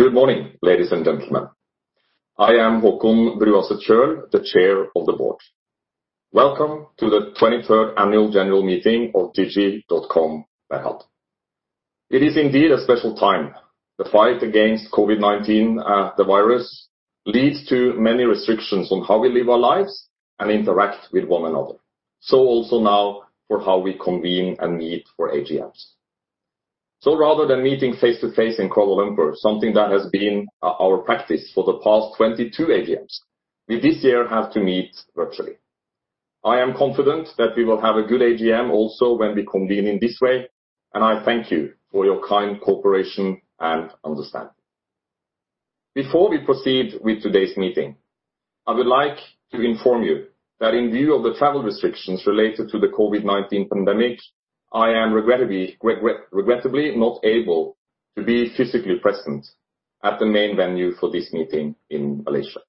Good morning, ladies and gentlemen. I am Haakon Bruaset Kjoel, the Chair of the Board. Welcome to the 23rd Annual General Meeting of Digi.Com Berhad. It is indeed a special time. The fight against COVID-19, the virus, leads to many restrictions on how we live our lives and interact with one another. Also now for how we convene and meet for AGMs. Rather than meeting face-to-face in Kuala Lumpur, something that has been our practice for the past 22 AGMs, we this year have to meet virtually. I am confident that we will have a good AGM also when we convene in this way, and I thank you for your kind cooperation and understanding. Before we proceed with today's meeting, I would like to inform you that in view of the travel restrictions related to the COVID-19 pandemic, I am regrettably not able to be physically present at the main venue for this meeting in Malaysia.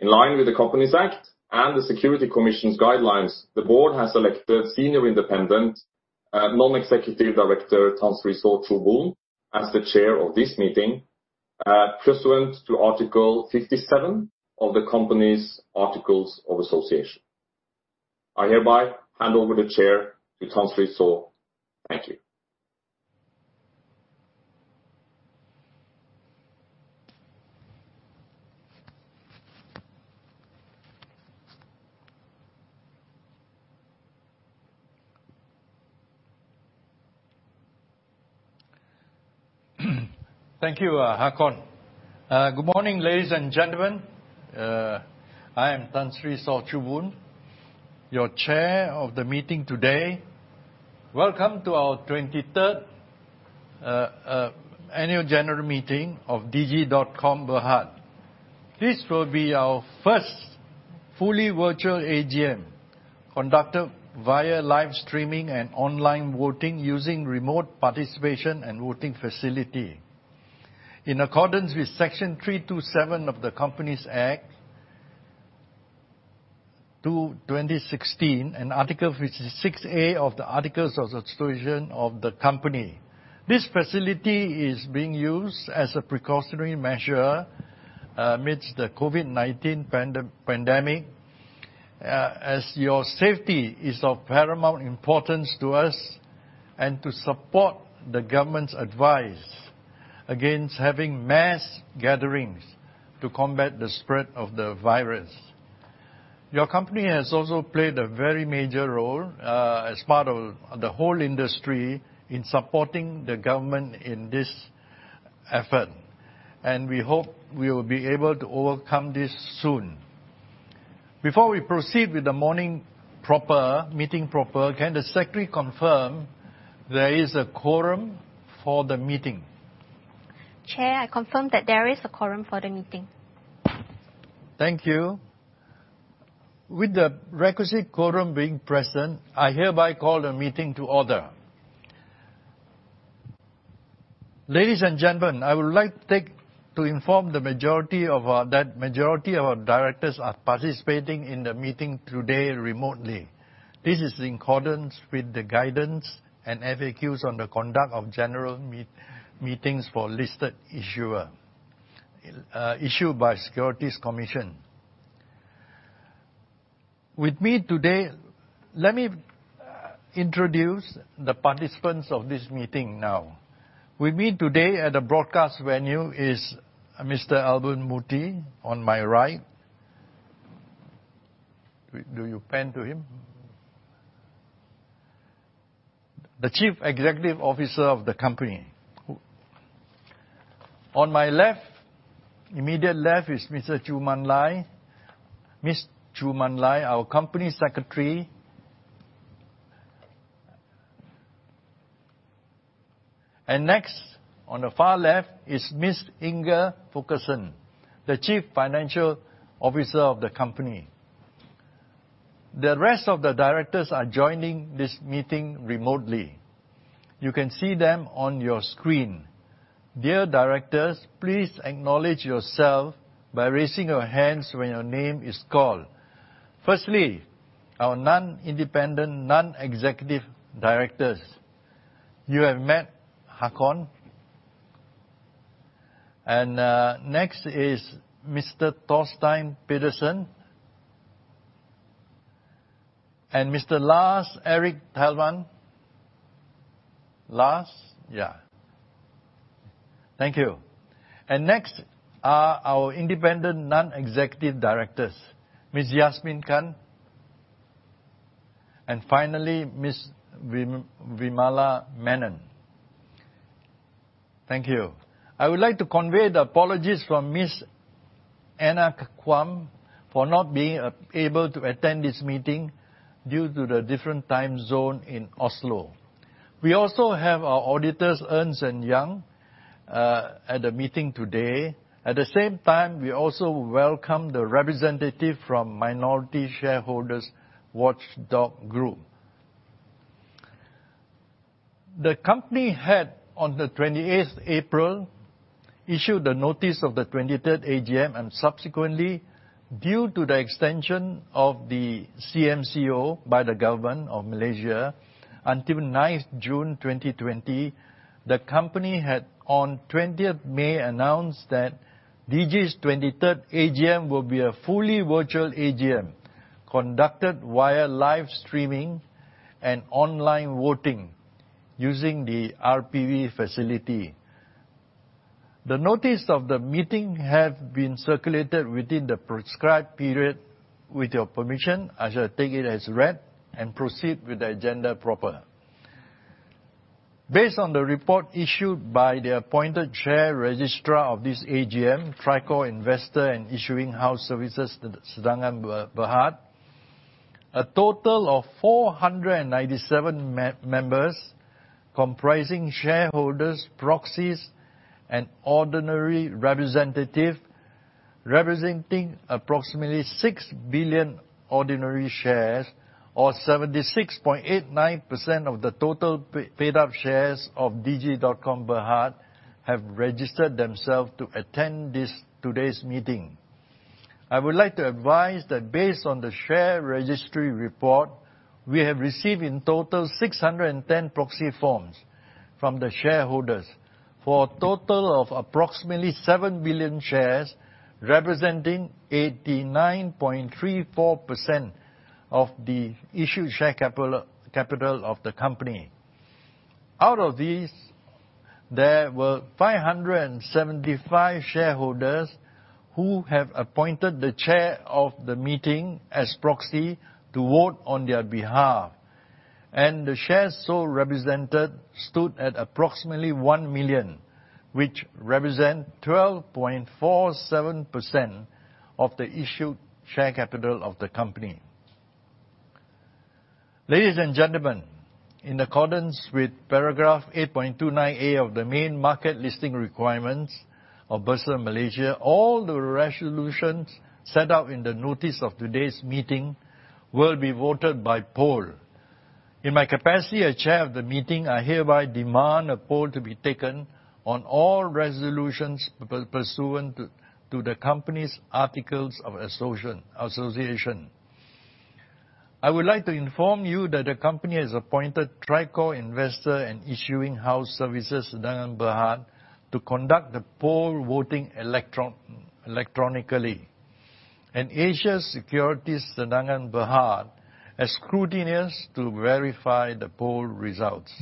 In line with the Companies Act and the Securities Commission's guidelines, the board has elected Senior Independent Non-Executive Director, Tan Sri Saw Choo Boon, as the Chair of this meeting, pursuant to Article 57 of the company's articles of association. I hereby hand over the chair to Tan Sri Saw. Thank you. Thank you, Haakon. Good morning, ladies and gentlemen. I am Tan Sri Saw Choo Boon, your Chair of the meeting today. Welcome to our 23rd Annual General Meeting of Digi.Com Berhad. This will be our first fully virtual AGM, conducted via live streaming and online voting using remote participation and voting facility. In accordance with Section 327 of the Companies Act 2016 and Article 56A of the articles of association of the company. This facility is being used as a precautionary measure amidst the COVID-19 pandemic, as your safety is of paramount importance to us and to support the government's advice against having mass gatherings to combat the spread of the virus. Your company has also played a very major role as part of the whole industry in supporting the government in this effort. We hope we will be able to overcome this soon. Before we proceed with the morning meeting proper, can the Secretary confirm there is a quorum for the meeting? Chair, I confirm that there is a quorum for the meeting. Thank you. With the requisite quorum being present, I hereby call the meeting to order. Ladies and gentlemen, I would like to inform the majority of our directors are participating in the meeting today remotely. This is in accordance with the guidance and FAQs on the conduct of general meetings for listed issuer issued by Securities Commission. Let me introduce the participants of this meeting now. With me today at the broadcast venue is Mr. Albern Murty on my right. Do you pan to him? The Chief Executive Officer of the company. Next, on my immediate left is Ms. Choo Mun Lai, our Company Secretary. Next, on the far left is Ms. Inger Folkeson, the Chief Financial Officer of the company. The rest of the directors are joining this meeting remotely. You can see them on your screen. Dear Directors, please acknowledge yourself by raising your hands when your name is called. Firstly, our Non-Independent Non-Executive Directors. You have met Haakon. Next is Mr. Torstein Pedersen and Mr. Lars Erik Tellmann. Lars? Yeah. Thank you. Next are our Independent Non-Executive Directors, Ms. Yasmin Khan, and finally, Ms. Vimala Menon. Thank you. I would like to convey the apologies from Ms. Anne Kvam for not being able to attend this meeting due to the different time zone in Oslo. We also have our auditors, Ernst & Young, at the meeting today. At the same time, we also welcome the representative from Minority Shareholders Watch Group. The company had, on the 28th April, issued the notice of the 23rd AGM, and subsequently, due to the extension of the CMCO by the government of Malaysia until 9th June 2020, the company had on 20th May announced that Digi's 23rd AGM will be a fully virtual AGM conducted via live streaming and online voting using the RPV facility. The notice of the meeting have been circulated within the prescribed period. With your permission, I shall take it as read and proceed with the agenda proper. Based on the report issued by the appointed share registrar of this AGM, Tricor Investor & Issuing House Services Sdn. Bhd., a total of 497 members, comprising shareholders, proxies, and ordinary representative, representing approximately 6 billion ordinary shares, or 76.89% of the total paid-up shares of Digi.Com Bhd, have registered themselves to attend today's meeting. I would like to advise that based on the share registry report, we have received in total 610 proxy forms from the shareholders for a total of approximately 7 billion shares, representing 89.34% of the issued share capital of the company. Out of these, there were 575 shareholders who have appointed the chair of the meeting as proxy to vote on their behalf, and the shares so represented stood at approximately 1 million, which represent 12.47% of the issued share capital of the company. Ladies and gentlemen, in accordance with paragraph 8.29A of the Main Market Listing Requirements of Bursa Malaysia, all the resolutions set out in the notice of today's meeting will be voted by poll. In my capacity as chair of the meeting, I hereby demand a poll to be taken on all resolutions pursuant to the company's articles of association. I would like to inform you that the company has appointed Tricor Investor & Issuing House Services Sdn. Bhd. to conduct the poll voting electronically, and Asia Securities Sdn. Bhd. as scrutineers to verify the poll results.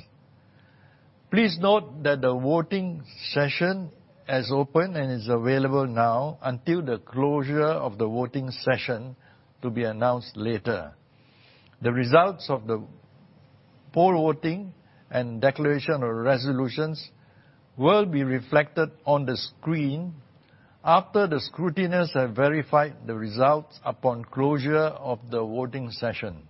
Please note that the voting session has opened and is available now until the closure of the voting session to be announced later. The results of the poll voting and declaration of resolutions will be reflected on the screen after the scrutineers have verified the results upon closure of the voting session.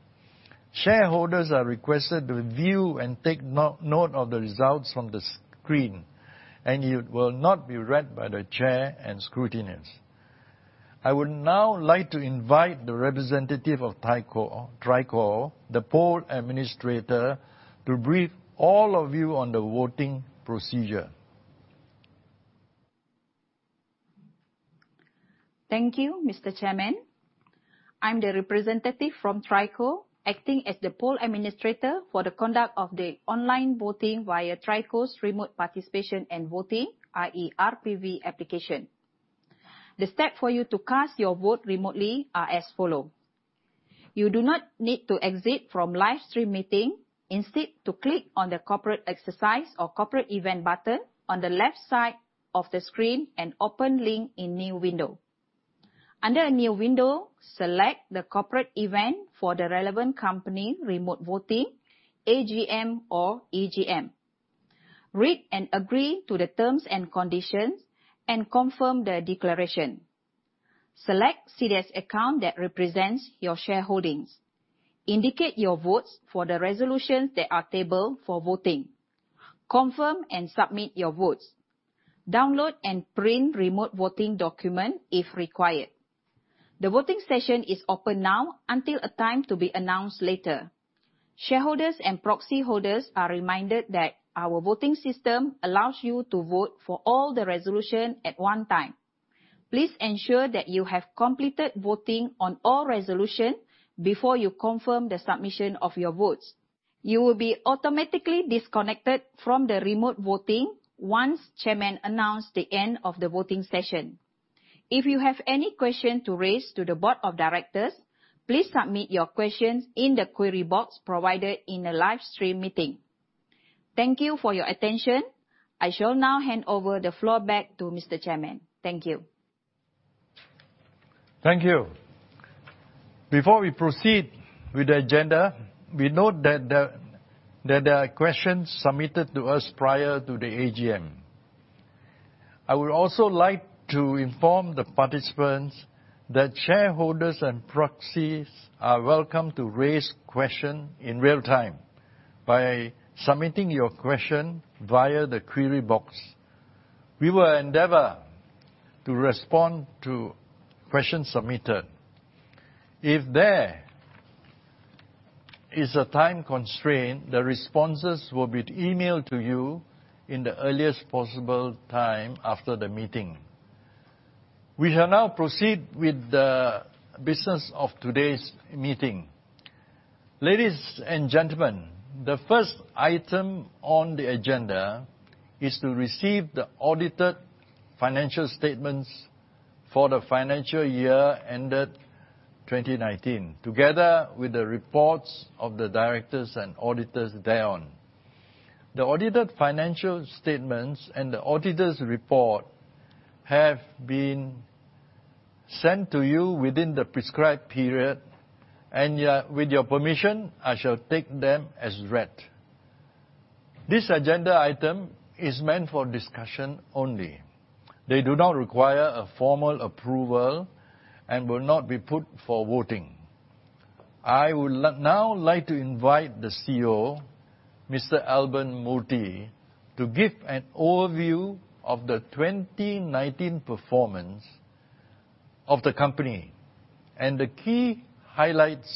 Shareholders are requested to view and take note of the results from the screen, and it will not be read by the chair and scrutineers. I would now like to invite the representative of Tricor, the Poll Administrator, to brief all of you on the voting procedure. Thank you, Mr. Chairman. I'm the representative from Tricor, acting as the Poll Administrator for the conduct of the online voting via Tricor's remote participation and voting, i.e. RPV application. The step for you to cast your vote remotely are as follow. You do not need to exit from live stream meeting. Instead, to click on the corporate exercise or corporate event button on the left side of the screen and open link in new window. Under a new window, select the corporate event for the relevant company remote voting, AGM or EGM. Read and agree to the terms and conditions and confirm the declaration. Select CDS account that represents your shareholdings. Indicate your votes for the resolutions that are tabled for voting. Confirm and submit your votes. Download and print remote voting document if required. The voting session is open now until a time to be announced later. Shareholders and proxy holders are reminded that our voting system allows you to vote for all the resolutions at one time. Please ensure that you have completed voting on all resolutions before you confirm the submission of your votes. You will be automatically disconnected from the remote voting once Chairman announces the end of the voting session. If you have any questions to raise to the Board of Directors, please submit your questions in the query box provided in the live stream meeting. Thank you for your attention. I shall now hand over the floor back to Mr. Chairman. Thank you. Thank you. Before we proceed with the agenda, we note that there are questions submitted to us prior to the AGM. I would also like to inform the participants that shareholders and proxies are welcome to raise question in real time by submitting your question via the query box. We will endeavor to respond to questions submitted. If there is a time constraint, the responses will be emailed to you in the earliest possible time after the meeting. We shall now proceed with the business of today's meeting. Ladies and gentlemen, the first item on the agenda is to receive the audited financial statements for the financial year ended 2019, together with the reports of the directors and auditors thereon. The audited financial statements and the auditor's report have been sent to you within the prescribed period, and with your permission, I shall take them as read. This agenda item is meant for discussion only. They do not require a formal approval and will not be put for voting. I would now like to invite the CEO, Mr. Albern Murty, to give an overview of the 2019 performance of the company and the key highlights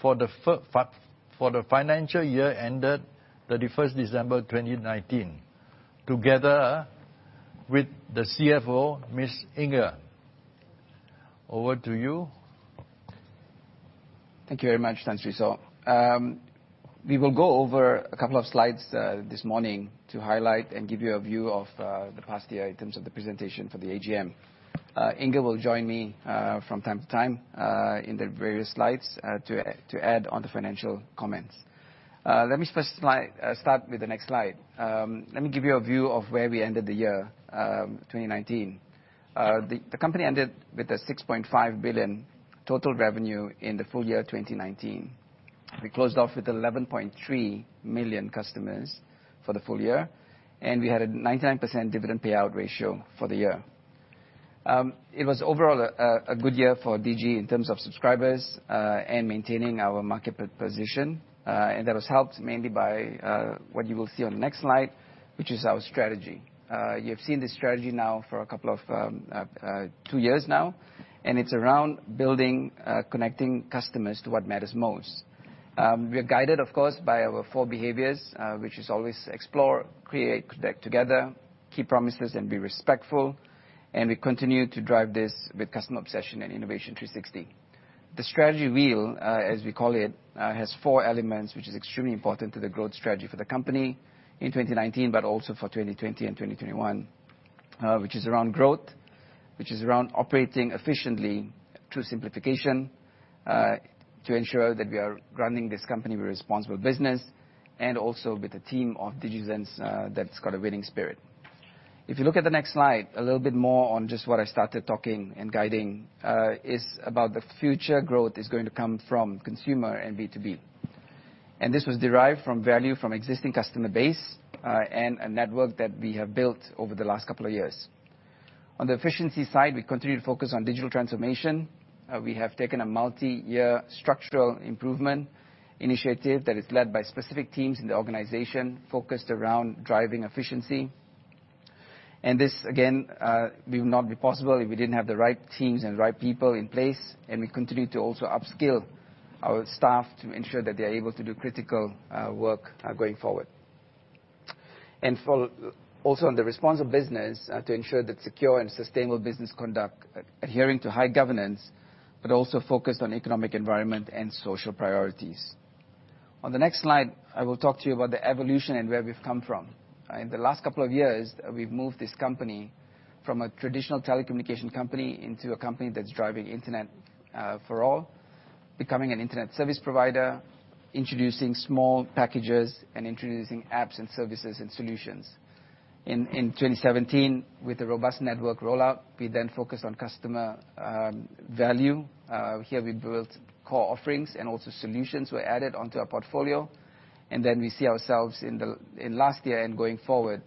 for the financial year ended 31st December 2019, together with the CFO, Ms. Inger. Over to you. Thank you very much, Tan Sri Saw. We will go over a couple of slides this morning to highlight and give you a view of the past year in terms of the presentation for the AGM. Inger will join me from time to time in the various slides to add on the financial comments. Let me first start with the next slide. Let me give you a view of where we ended the year 2019. The company ended with a 6.5 billion total revenue in the full year 2019. We closed off with 11.3 million customers for the full year, and we had a 99% dividend payout ratio for the year. It was overall a good year for Digi in terms of subscribers and maintaining our market position. That was helped mainly by what you will see on the next slide, which is our strategy. You have seen this strategy now for two years now, and it's around building, connecting customers to what matters most. We are guided, of course, by our four behaviors, which is always explore, create together, keep promises, and be respectful. We continue to drive this with customer obsession and innovation 360. The strategy wheel, as we call it, has four elements, which is extremely important to the growth strategy for the company in 2019, but also for 2020 and 2021, which is around growth, which is around operating efficiently through simplification, to ensure that we are running this company with responsible business and also with a team of Digizens that's got a winning spirit. If you look at the next slide, a little bit more on just what I started talking and guiding, is about the future growth is going to come from consumer and B2B. This was derived from value from existing customer base, and a network that we have built over the last couple of years. On the efficiency side, we continue to focus on digital transformation. We have taken a multi-year structural improvement initiative that is led by specific teams in the organization, focused around driving efficiency. This, again, will not be possible if we didn't have the right teams and right people in place. We continue to also upskill our staff to ensure that they are able to do critical work going forward. Also on the responsible business to ensure the secure and sustainable business conduct, adhering to high governance, but also focused on economic environment and social priorities. On the next slide, I will talk to you about the evolution and where we've come from. In the last couple of years, we've moved this company from a traditional telecommunication company into a company that's driving internet for all, becoming an internet service provider, introducing small packages, and introducing apps and services and solutions. In 2017, with a robust network rollout, we focused on customer value. Here we built core offerings and also solutions were added onto our portfolio. We see ourselves in last year and going forward,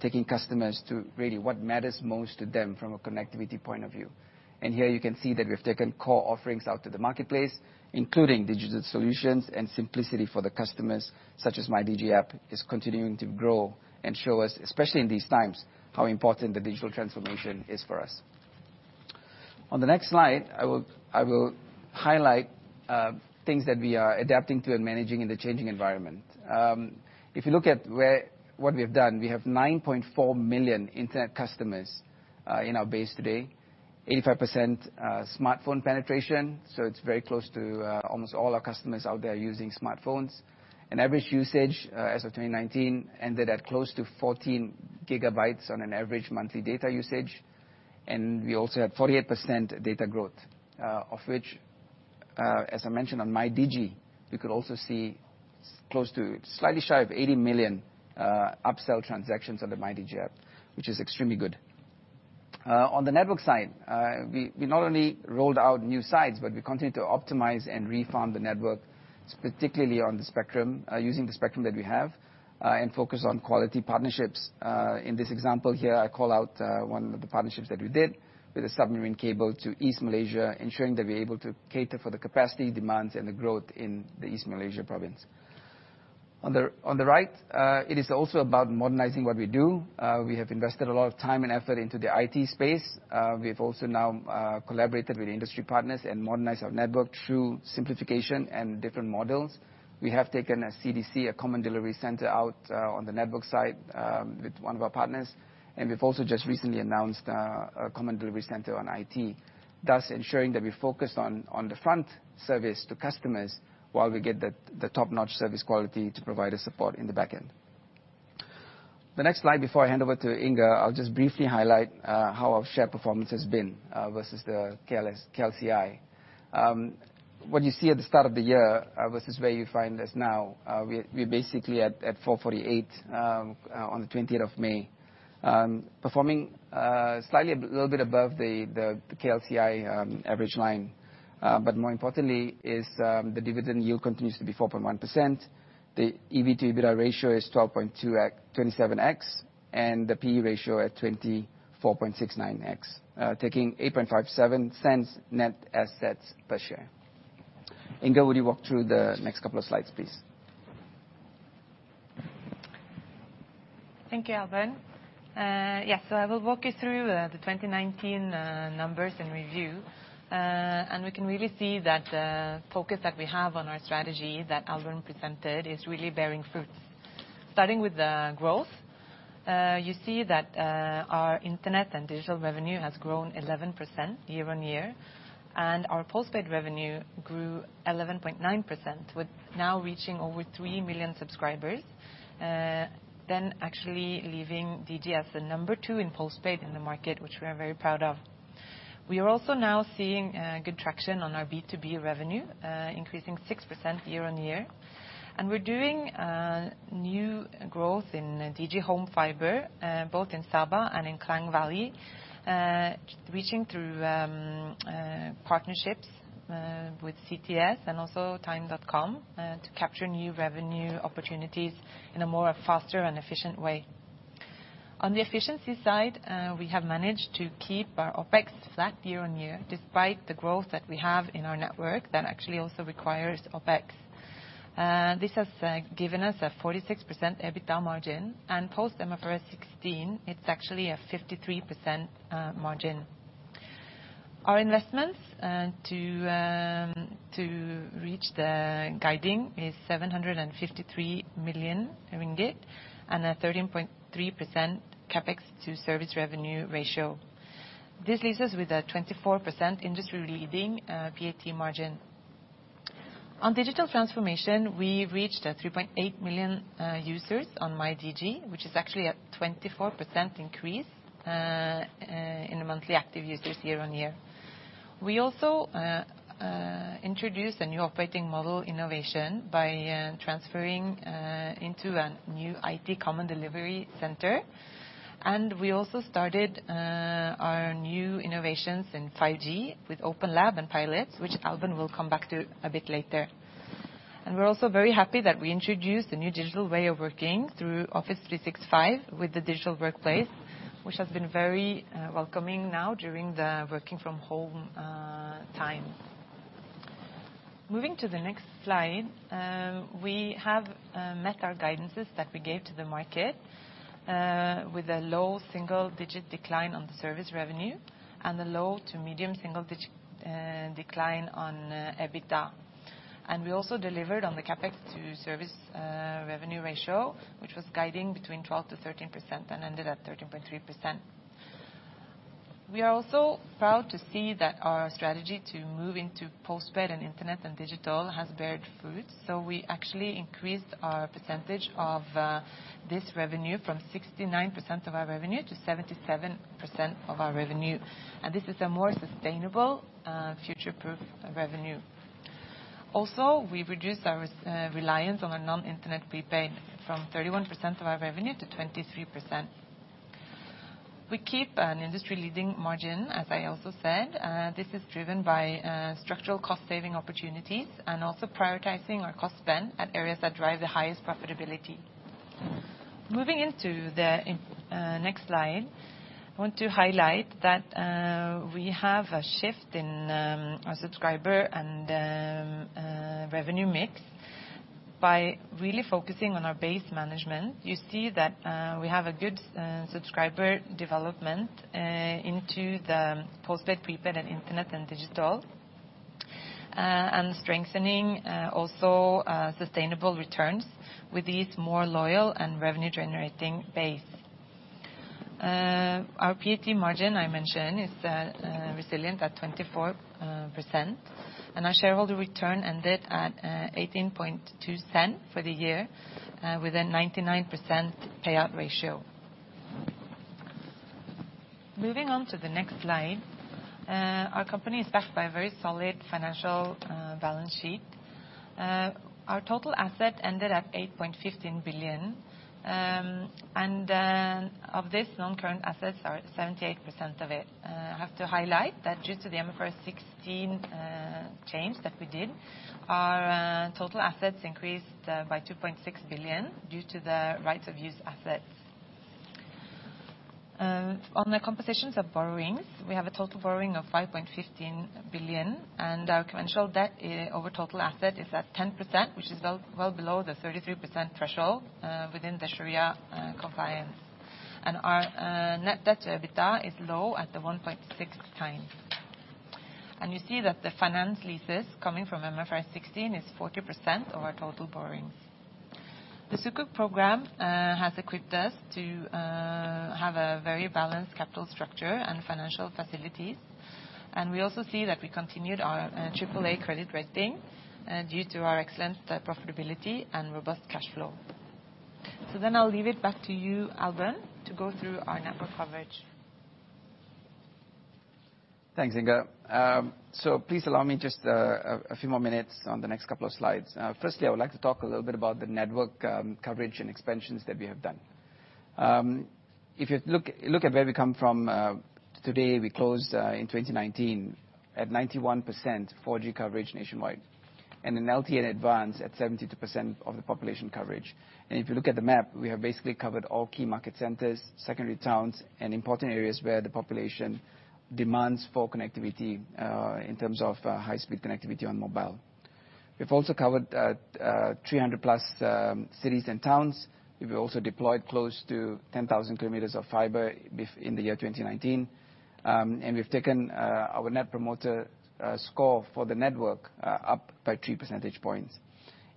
taking customers to really what matters most to them from a connectivity point of view. Here you can see that we've taken core offerings out to the marketplace, including digital solutions and simplicity for the customers, such as MyDigi app is continuing to grow and show us, especially in these times, how important the digital transformation is for us. On the next slide, I will highlight things that we are adapting to and managing in the changing environment. If you look at what we've done, we have 9.4 million internet customers in our base today, 85% smartphone penetration. It's very close to almost all our customers out there using smartphones. Average usage as of 2019 ended at close to 14 gigabytes on an average monthly data usage. We also had 48% data growth, of which, as I mentioned on MyDigi, we could also see slightly shy of 80 million upsell transactions on the MyDigi app, which is extremely good. On the network side, we not only rolled out new sites, but we continued to optimize and refarm the network, particularly on the spectrum, using the spectrum that we have, and focus on quality partnerships. In this example here, I call out one of the partnerships that we did with a submarine cable to East Malaysia, ensuring that we're able to cater for the capacity demands and the growth in the East Malaysia province. On the right, it is also about modernizing what we do. We have invested a lot of time and effort into the IT space. We've also now collaborated with industry partners and modernized our network through simplification and different models. We have taken a CDC, a common delivery center, out on the network side with one of our partners. We've also just recently announced a common delivery center on IT, thus ensuring that we focus on the front service to customers while we get the top-notch service quality to provide a support in the back end. The next slide before I hand over to Inger, I'll just briefly highlight how our share performance has been versus the KLCI. What you see at the start of the year versus where you find us now, we're basically at 4.48% on the 20th of May. Performing slightly a little bit above the KLCI average line. More importantly is the dividend yield continues to be 4.1%. The EV to EBITDA ratio is 12.2 at 27x and the P/E ratio at 24.69x, taking 0.0857 net assets per share. Inger, would you walk through the next couple of slides, please? Thank you, Albern. I will walk you through the 2019 numbers and review. We can really see that the focus that we have on our strategy that Albern presented is really bearing fruit. Starting with the growth, you see that our internet and digital revenue has grown 11% year-on-year, and our postpaid revenue grew 11.9% with now reaching over 3 million subscribers, then actually leaving Digi as the number two in postpaid in the market, which we are very proud of. We are also now seeing good traction on our B2B revenue, increasing 6% year-on-year. We're doing new growth in Digi Home Fibre, both in Sabah and in Klang Valley, reaching through partnerships with CTS and also TIME dotCom to capture new revenue opportunities in a more faster and efficient way. On the efficiency side, we have managed to keep our OpEx flat year-on-year, despite the growth that we have in our network that actually also requires OpEx. This has given us a 46% EBITDA margin and post MFRS 16, it's actually a 53% margin. Our investments to reach the guiding is 753 million ringgit and a 13.3% CapEx to service revenue ratio. This leaves us with a 24% industry-leading PAT margin. On digital transformation, we reached 3.8 million users on MyDigi, which is actually a 24% increase in monthly active users year-on-year. We also introduced a new operating model innovation by transferring into a new IT common delivery center. We also started our new innovations in 5G with OpenLab and pilots, which Albern will come back to a bit later. We're also very happy that we introduced a new digital way of working through Office 365 with the digital workplace, which has been very welcoming now during the working from home times. Moving to the next slide, we have met our guidances that we gave to the market, with a low single-digit decline on service revenue and a low to medium single-digit decline on EBITDA. We also delivered on the CapEx to service revenue ratio, which was guiding between 12%-13% and ended at 13.3%. We are also proud to see that our strategy to move into postpaid and internet and digital has beared fruit. We actually increased our % of this revenue from 69% of our revenue to 77% of our revenue. This is a more sustainable future-proof revenue. We reduced our reliance on our non-internet prepaid from 31% of our revenue to 23%. We keep an industry-leading margin, as I also said. This is driven by structural cost-saving opportunities and also prioritizing our cost spend at areas that drive the highest profitability. Moving into the next slide, I want to highlight that we have a shift in our subscriber and revenue mix by really focusing on our base management. You see that we have a good subscriber development into the postpaid, prepaid, and internet, and digital, and strengthening also sustainable returns with this more loyal and revenue-generating base. Our PAT margin, I mentioned, is resilient at 24%, and our shareholder return ended at 0.182 for the year, with a 99% payout ratio. Moving on to the next slide. Our company is backed by a very solid financial balance sheet. Our total asset ended at 8.15 billion. Of this, non-current assets are 78% of it. I have to highlight that due to the MFRS 16 change that we did, our total assets increased by 2.6 billion due to the rights of use assets. On the compositions of borrowings, we have a total borrowing of 5.15 billion, and our conventional debt over total asset is at 10%, which is well below the 33% threshold within the Shariah compliance. Our net debt to EBITDA is low at the 1.6x. You see that the finance leases coming from MFRS 16 is 40% of our total borrowings. The Sukuk program has equipped us to have a very balanced capital structure and financial facilities. We also see that we continued our AAA credit rating due to our excellent profitability and robust cash flow. I'll leave it back to you, Albern, to go through our network coverage. Thanks, Inger. Please allow me just a few more minutes on the next couple of slides. Firstly, I would like to talk a little bit about the network coverage and expansions that we have done. If you look at where we come from today, we closed in 2019 at 91% 4G coverage nationwide. In LTE Advanced at 72% of the population coverage. If you look at the map, we have basically covered all key market centers, secondary towns and important areas where the population demands for connectivity in terms of high-speed connectivity on mobile. We've also covered 300+ cities and towns. We've also deployed close to 10,000 km of fiber in the year 2019. We've taken our net promoter score for the network up by 3 percentage points.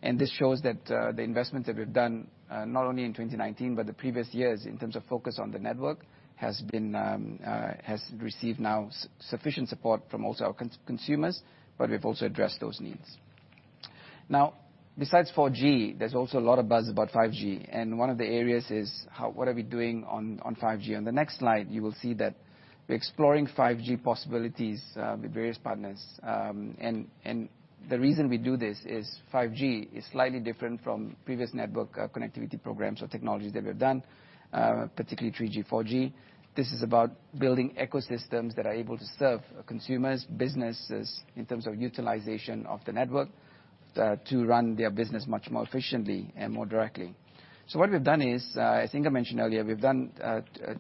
This shows that the investment that we've done, not only in 2019, but the previous years, in terms of focus on the network, has received now sufficient support from also our consumers, but we've also addressed those needs. Now, besides 4G, there's also a lot of buzz about 5G, and one of the areas is what are we doing on 5G? On the next slide, you will see that we're exploring 5G possibilities with various partners. The reason we do this is 5G is slightly different from previous network connectivity programs or technologies that we have done, particularly 3G, 4G. This is about building ecosystems that are able to serve consumers, businesses, in terms of utilization of the network, to run their business much more efficiently and more directly. What we've done is, I think I mentioned earlier, we've done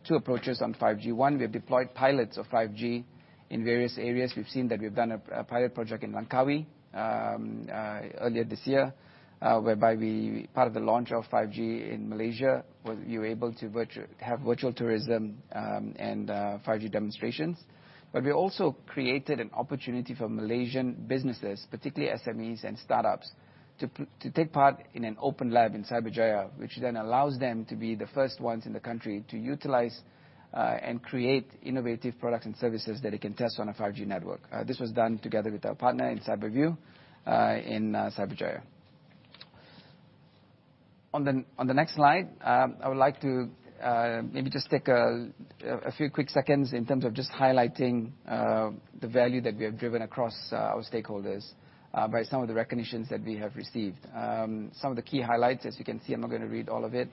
two approaches on 5G. We've deployed pilots of 5G in various areas. We've seen that we've done a pilot project in Langkawi earlier this year, whereby part of the launch of 5G in Malaysia, we were able to have virtual tourism and 5G demonstrations. We also created an opportunity for Malaysian businesses, particularly SMEs and startups, to take part in an OpenLab in Cyberjaya, which then allows them to be the first ones in the country to utilize and create innovative products and services that they can test on a 5G network. This was done together with our partner in Cyberview in Cyberjaya. On the next slide, I would like to maybe just take a few quick seconds in terms of just highlighting the value that we have driven across our stakeholders by some of the recognitions that we have received. Some of the key highlights, as you can see, I'm not going to read all of it.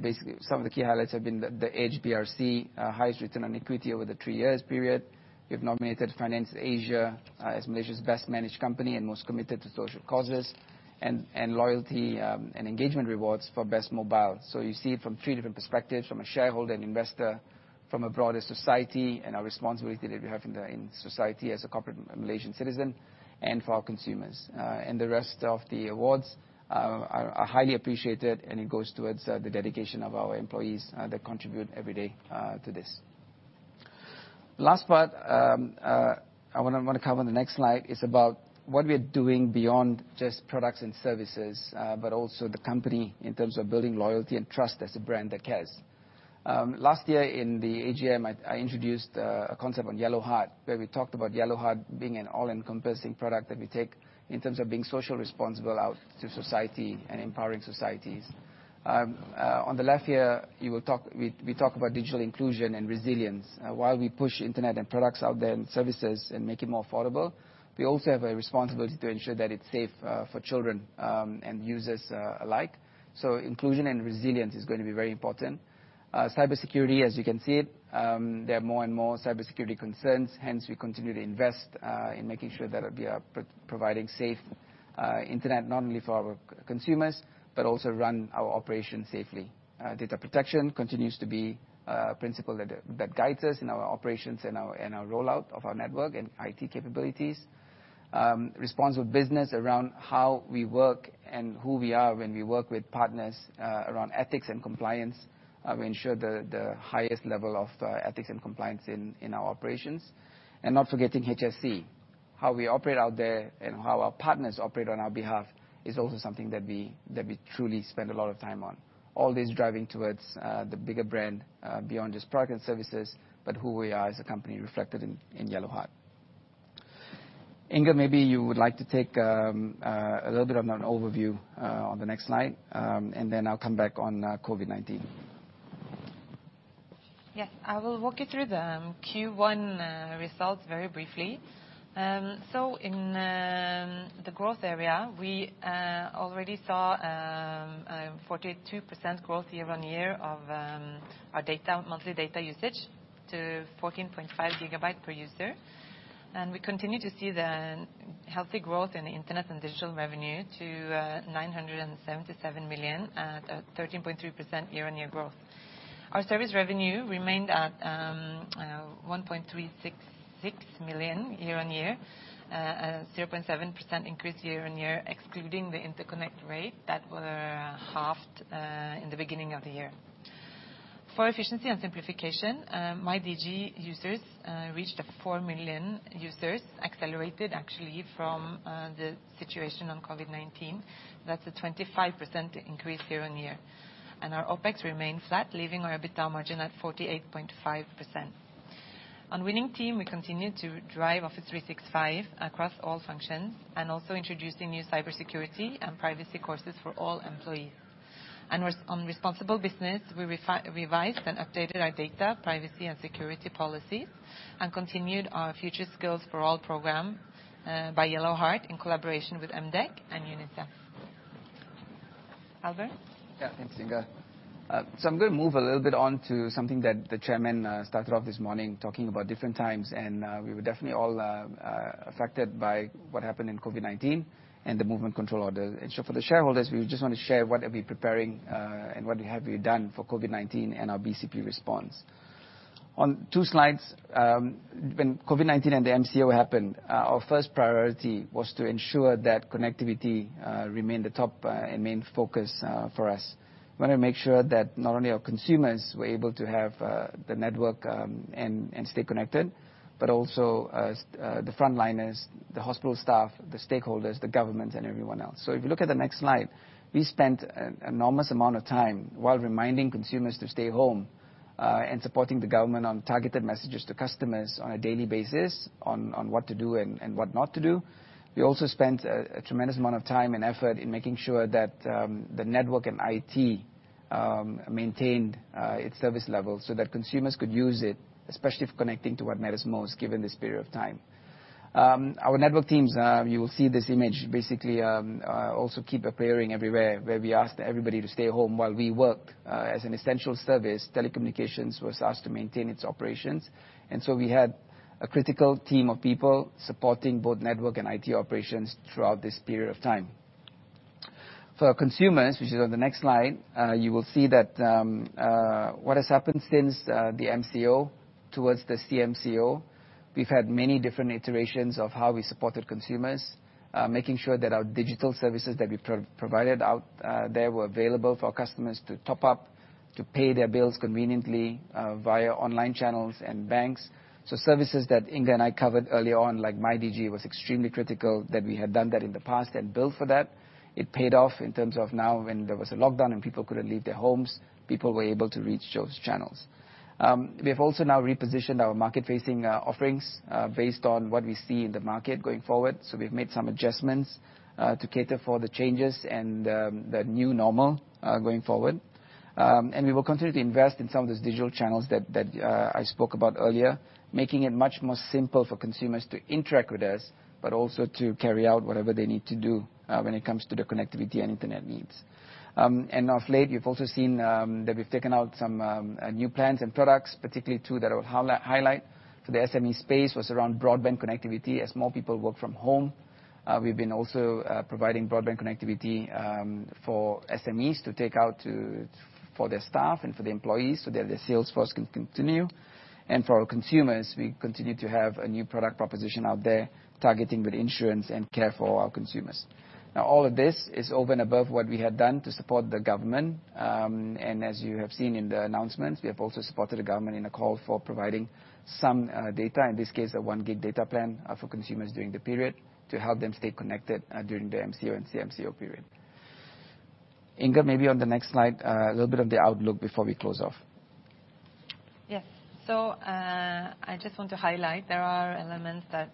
Basically, some of the key highlights have been The Edge BRC highest return on equity over the three years period. We've been nominated FinanceAsia as Malaysia's best managed company and most committed to social causes and loyalty and engagement rewards for best mobile. You see it from three different perspectives, from a shareholder and investor, from a broader society, and our responsibility that we have in society as a corporate Malaysian citizen and for our consumers. The rest of the awards are highly appreciated, and it goes towards the dedication of our employees that contribute every day to this. Last part, I want to cover on the next slide, is about what we are doing beyond just products and services, but also the company in terms of building loyalty and trust as a brand that cares. Last year in the AGM, I introduced a concept on Yellow Heart, where we talked about Yellow Heart being an all-encompassing product that we take in terms of being social responsible out to society and empowering societies. On the left here, we talk about digital inclusion and resilience. While we push internet and products out there and services and make it more affordable, we also have a responsibility to ensure that it's safe for children and users alike. Inclusion and resilience is going to be very important. Cybersecurity, as you can see it, there are more and more cybersecurity concerns. We continue to invest in making sure that we are providing safe internet not only for our consumers, but also run our operation safely. Data protection continues to be a principle that guides us in our operations and our rollout of our network and IT capabilities. Responsible business around how we work and who we are when we work with partners around ethics and compliance. We ensure the highest level of ethics and compliance in our operations. Not forgetting HSE. How we operate out there and how our partners operate on our behalf is also something that we truly spend a lot of time on. All this driving towards the bigger brand beyond just product and services, but who we are as a company reflected in Yellow Heart. Inger, maybe you would like to take a little bit of an overview on the next slide, and then I'll come back on COVID-19. I will walk you through the Q1 results very briefly. In the growth area, we already saw a 42% growth year-on-year of our monthly data usage to 14.5 GB per user. We continue to see the healthy growth in the internet and digital revenue to 977 million at 13.3% year-on-year growth. Our service revenue remained at 1.366 million year-on-year, a 0.7% increase year-on-year, excluding the interconnect rate that were halved in the beginning of the year. For efficiency and simplification, MyDigi users reached 4 million users, accelerated actually from the situation on COVID-19. That's a 25% increase year-on-year. Our OpEx remains flat, leaving our EBITDA margin at 48.5%. On winning team, we continue to drive Office 365 across all functions and also introducing new cybersecurity and privacy courses for all employees. On responsible business, we revised and updated our data privacy and security policy and continued our Future Skills For All program, by Yellow Heart in collaboration with MDEC and UNICEF. Albern? Yeah, thanks, Inger. I'm going to move a little bit on to something that the chairman started off this morning, talking about different times, and we were definitely all affected by what happened in COVID-19 and the Movement Control Order. For the shareholders, we just want to share what are we preparing, and what have we done for COVID-19 and our BCP response. On two slides, when COVID-19 and the MCO happened, our first priority was to ensure that connectivity remained the top and main focus for us. We want to make sure that not only our consumers were able to have the network and stay connected, but also the frontliners, the hospital staff, the stakeholders, the government, and everyone else. If you look at the next slide, we spent an enormous amount of time while reminding consumers to stay home, and supporting the government on targeted messages to customers on a daily basis on what to do and what not to do. We also spent a tremendous amount of time and effort in making sure that the network and IT maintained its service level so that consumers could use it, especially for connecting to what matters most, given this period of time. Our network teams, you will see this image basically, also keep appearing everywhere, where we ask everybody to stay home while we work. As an essential service, telecommunications was asked to maintain its operations, and so we had a critical team of people supporting both network and IT operations throughout this period of time. For our consumers, which is on the next slide, you will see that what has happened since the MCO towards the CMCO, we've had many different iterations of how we supported consumers, making sure that our digital services that we provided out there were available for customers to top up, to pay their bills conveniently via online channels and banks. Services that Inger and I covered earlier on, like MyDigi, was extremely critical that we had done that in the past and built for that. It paid off in terms of now when there was a lockdown and people couldn't leave their homes, people were able to reach those channels. We've also now repositioned our market-facing offerings based on what we see in the market going forward. We've made some adjustments to cater for the changes and the new normal going forward. We will continue to invest in some of those digital channels that I spoke about earlier, making it much more simple for consumers to interact with us, but also to carry out whatever they need to do when it comes to their connectivity and internet needs. Of late, you've also seen that we've taken out some new plans and products, particularly two that I will highlight. The SME space was around broadband connectivity as more people work from home. We've been also providing broadband connectivity for SMEs to take out for their staff and for the employees so that their sales force can continue. For our consumers, we continue to have a new product proposition out there targeting with insurance and care for our consumers. All of this is over and above what we had done to support the government. As you have seen in the announcements, we have also supported the government in a call for providing some data, in this case, a one gig data plan for consumers during the period to help them stay connected during the MCO and CMCO period. Inger, maybe on the next slide, a little bit of the outlook before we close off. Yes. I just want to highlight there are elements that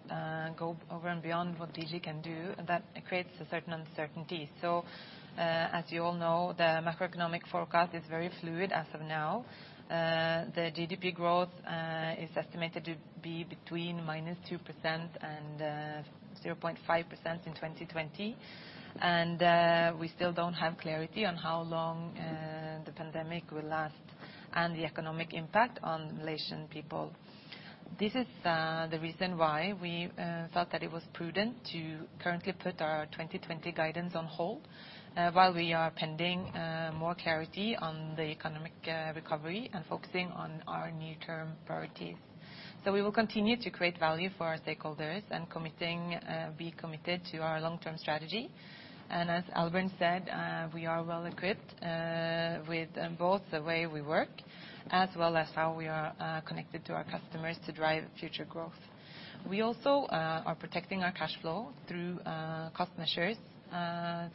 go over and beyond what Digi can do that creates a certain uncertainty. As you all know, the macroeconomic forecast is very fluid as of now. The GDP growth is estimated to be between -2% and 0.5% in 2020. We still don't have clarity on how long the pandemic will last and the economic impact on Malaysian people. This is the reason why we felt that it was prudent to currently put our 2020 guidance on hold while we are pending more clarity on the economic recovery and focusing on our near-term priorities. We will continue to create value for our stakeholders and be committed to our long-term strategy. As Albern said, we are well equipped with both the way we work as well as how we are connected to our customers to drive future growth. We also are protecting our cash flow through cost measures,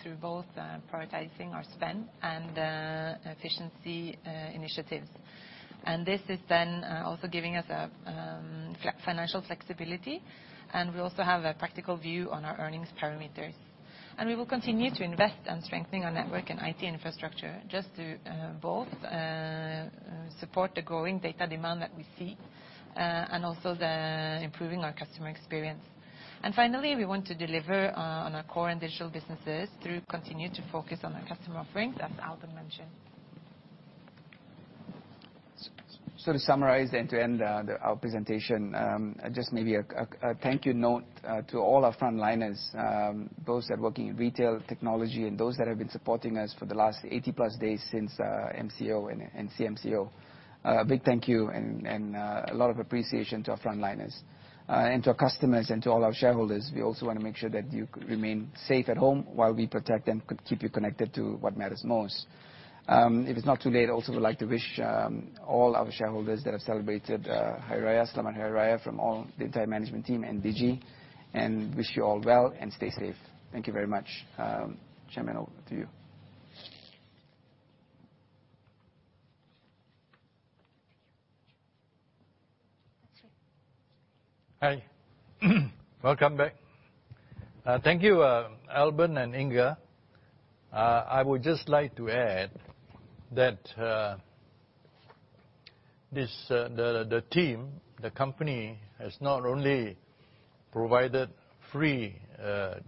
through both prioritizing our spend and efficiency initiatives. This is then also giving us financial flexibility, and we also have a practical view on our earnings parameters. We will continue to invest and strengthen our network and IT infrastructure just to both support the growing data demand that we see, and also the improving our customer experience. Finally, we want to deliver on our core and digital businesses through continue to focus on our customer offerings, as Albern mentioned. To summarize and to end our presentation, just maybe a thank you note to all our frontliners, those that are working in retail, technology, and those that have been supporting us for the last 80+ days since MCO and CMCO. A big thank you and a lot of appreciation to our frontliners. To our customers and to all our shareholders, we also want to make sure that you remain safe at home while we protect and keep you connected to what matters most. If it's not too late, also would like to wish all our shareholders that have celebrated Hari Raya, Selamat Hari Raya, from all the entire management team and Digi, and wish you all well and stay safe. Thank you very much. Chairman, over to you. Hi. Welcome back. Thank you, Albern and Inger. I would just like to add that the team, the company, has not only provided free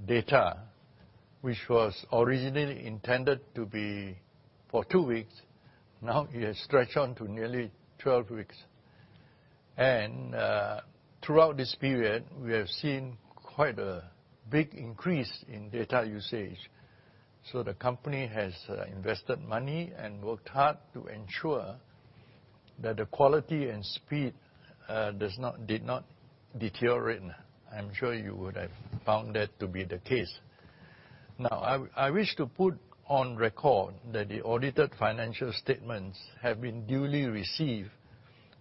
data, which was originally intended to be for two weeks. Now it has stretched on to nearly 12 weeks. Throughout this period, we have seen quite a big increase in data usage. The company has invested money and worked hard to ensure that the quality and speed did not deteriorate. I'm sure you would have found that to be the case. I wish to put on record that the audited financial statements have been duly received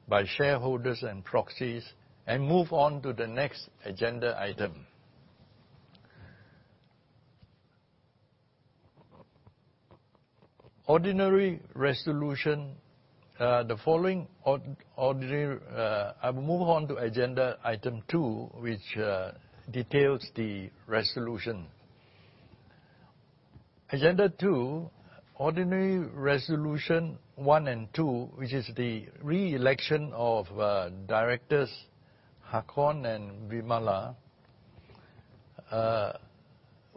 by shareholders and proxies and move on to the next agenda item. I will move on to Agenda Item Two, which details the resolution. Agenda Two, ordinary Resolution One and Two, which is the re-election of directors Haakon and Vimala,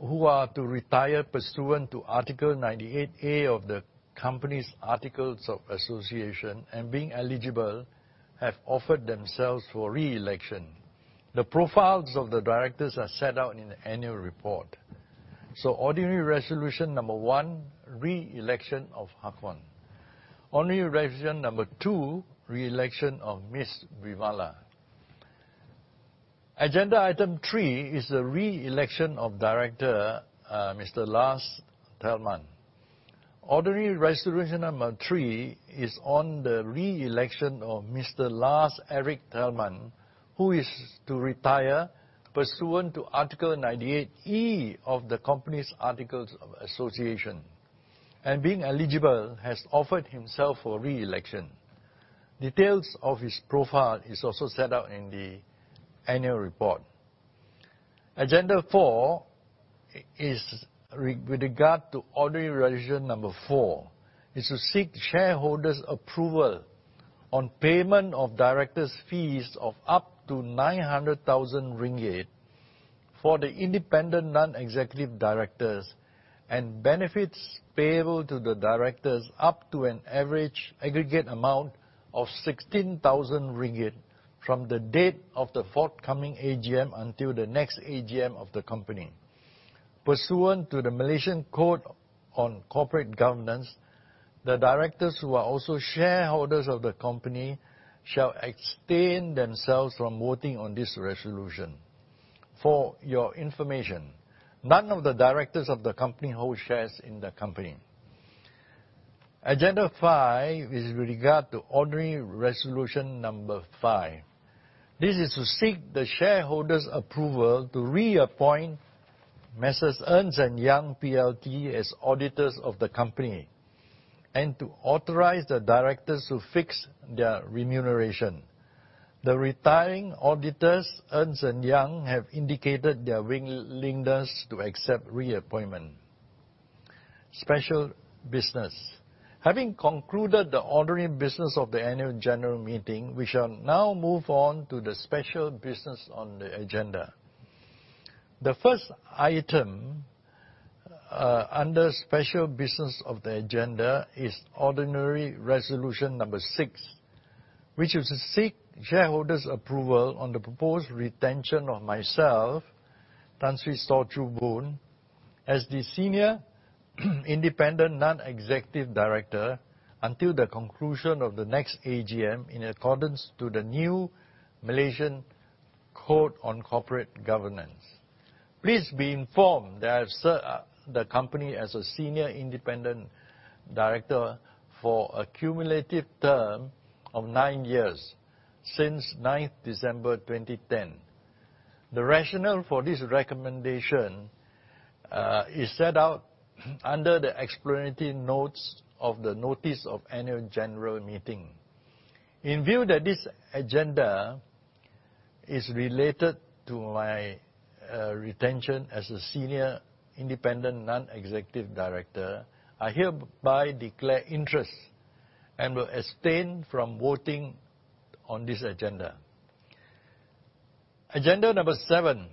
who are to retire pursuant to Article 98A of the company's articles of association, and being eligible, have offered themselves for re-election. The profiles of the directors are set out in the annual report. Ordinary Resolution number One, re-election of Haakon. Ordinary Resolution number Two, re-election of Ms. Vimala. Agenda Item Three is the re-election of Director Mr. Lars Tellmann. Ordinary Resolution number Three is on the re-election of Mr. Lars Erik Tellmann, who is to retire pursuant to Article 98E of the company's articles of association, and being eligible, has offered himself for re-election. Details of his profile is also set out in the annual report. Agenda Four is with regard to ordinary resolution number four, is to seek shareholders' approval on payment of directors' fees of up to 900,000 ringgit for the Independent Non-Executive Directors and benefits payable to the directors up to an aggregate amount of 16,000 ringgit from the date of the forthcoming AGM until the next AGM of the company. Pursuant to the Malaysian Code on Corporate Governance, the directors who are also shareholders of the company shall extend themselves from voting on this resolution. For your information, none of the directors of the company hold shares in the company. Agenda Five is with regard to ordinary Resolution number Five. This is to seek the shareholders' approval to reappoint Messrs. Ernst & Young PLT as auditors of the company and to authorize the directors to fix their remuneration. The retiring auditors, Ernst & Young, have indicated their willingness to accept reappointment. Special business. Having concluded the ordinary business of the annual general meeting, we shall now move on to the special business on the agenda. The first item under special business of the agenda is ordinary resolution number six, which is to seek shareholders' approval on the proposed retention of myself, Tan Sri Saw Choo Boon, as the Senior Independent Non-Executive Director until the conclusion of the next AGM in accordance to the new Malaysian Code on Corporate Governance. Please be informed that I have served the company as a senior independent director for a cumulative term of nine years, since 9th December 2010. The rationale for this recommendation is set out under the explanatory notes of the notice of annual general meeting. In view that this agenda is related to my retention as a Senior Independent Non-Executive Director, I hereby declare interest and will abstain from voting on this agenda. Agenda number seven.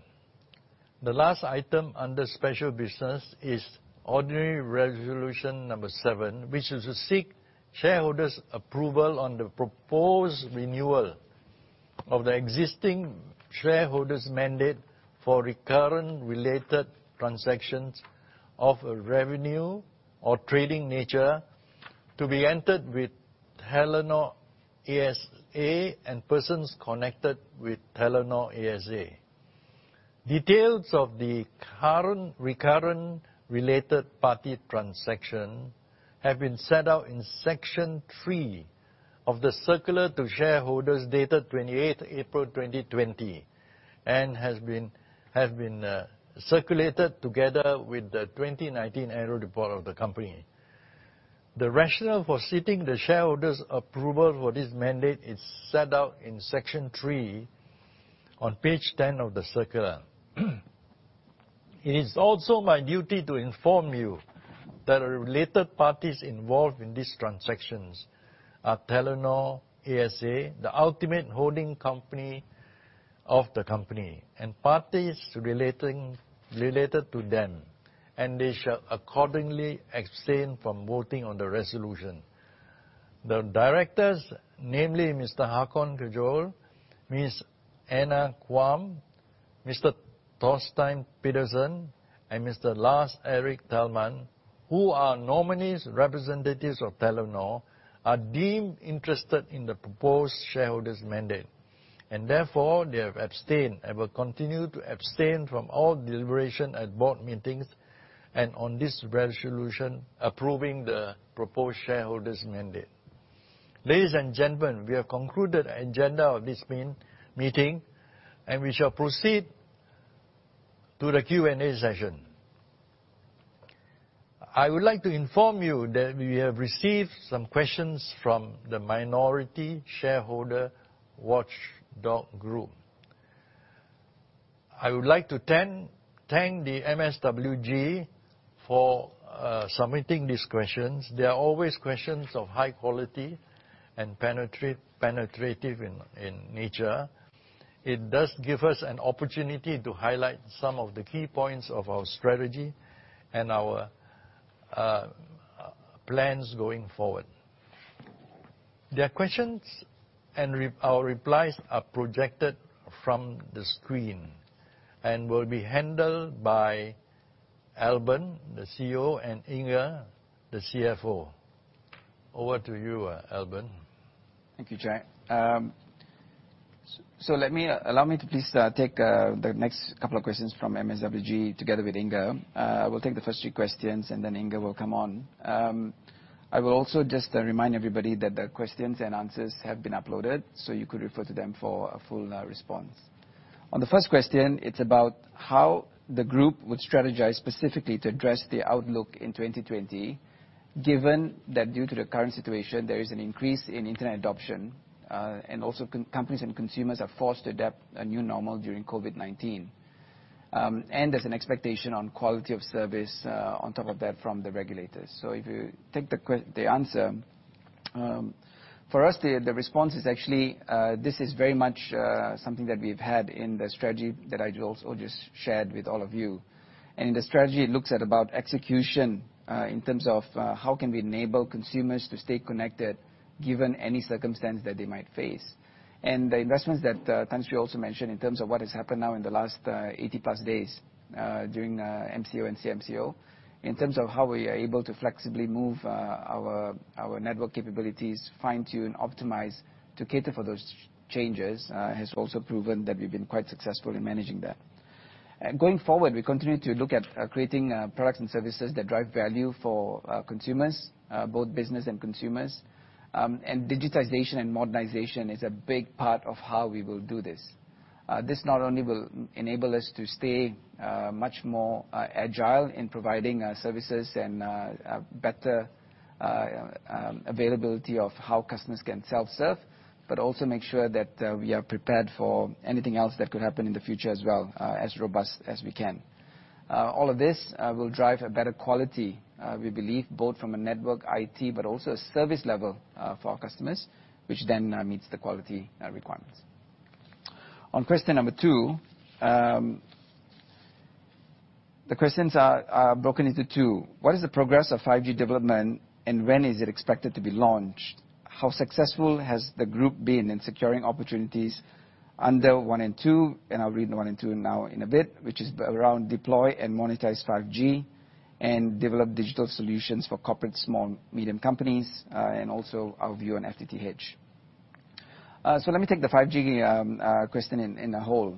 The last item under special business is Ordinary Resolution number Seven, which is to seek shareholders' approval on the proposed renewal of the existing shareholders mandate for recurrent related transactions of a revenue or trading nature to be entered with Telenor ASA and persons connected with Telenor ASA. Details of the current recurrent related party transaction have been set out in Section Three of the circular to shareholders dated 28th April 2020 and have been circulated together with the 2019 annual report of the company. The rationale for seeking the shareholders' approval for this mandate is set out in Section Three on page 10 of the circular. It is also my duty to inform you that the related parties involved in these transactions are Telenor ASA, the ultimate holding company of the company, and parties related to them, and they shall accordingly abstain from voting on the resolution. The directors, namely Mr. Haakon Kjoel, Ms. Anne Kvam, Mr. Torstein Pedersen, and Mr. Lars Erik Tellmann, who are nominees representatives of Telenor, are deemed interested in the proposed shareholders' mandate and therefore they have abstained and will continue to abstain from all deliberation at board meetings and on this resolution approving the proposed shareholders' mandate. Ladies and gentlemen, we have concluded agenda of this meeting, and we shall proceed to the Q&A session. I would like to inform you that we have received some questions from the Minority Shareholders Watch Group. I would like to thank the MSWG for submitting these questions. They are always questions of high quality and penetrative in nature. It does give us an opportunity to highlight some of the key points of our strategy and our plans going forward. Their questions and our replies are projected from the screen and will be handled by Albern, the CEO, and Inger, the CFO. Over to you, Albern. Thank you, Chair. Allow me to please take the next couple of questions from MSWG together with Inger. I will take the first three questions and then Inger will come on. I will also just remind everybody that the questions and answers have been uploaded, so you could refer to them for a full response. On the first question, it's about how the group would strategize specifically to address the outlook in 2020 given that due to the current situation, there is an increase in internet adoption, and also companies and consumers are forced to adapt a new normal during COVID-19. There's an expectation on quality of service, on top of that, from the regulators. If you take the answer, for us, the response is actually, this is very much something that we've had in the strategy that I also just shared with all of you. The strategy looks at about execution, in terms of how can we enable consumers to stay connected given any circumstance that they might face. The investments that Tan Sri also mentioned in terms of what has happened now in the last 80+ days during MCO and CMCO, in terms of how we are able to flexibly move our network capabilities, fine-tune, optimize to cater for those changes, has also proven that we've been quite successful in managing that. Going forward, we continue to look at creating products and services that drive value for consumers, both business and consumers, and digitization and modernization is a big part of how we will do this. This not only will enable us to stay much more agile in providing services and better availability of how customers can self-serve, but also make sure that we are prepared for anything else that could happen in the future as well, as robust as we can. All of this will drive a better quality, we believe, both from a network IT, but also a service level for our customers, which then meets the quality requirements. On question number two, the questions are broken into two. What is the progress of 5G development and when is it expected to be launched? How successful has the group been in securing opportunities under one and two, and I'll read one and two now in a bit, which is around deploy and monetize 5G and develop digital solutions for corporate small, medium companies, and also our view on FTTH. Let me take the 5G question as a whole.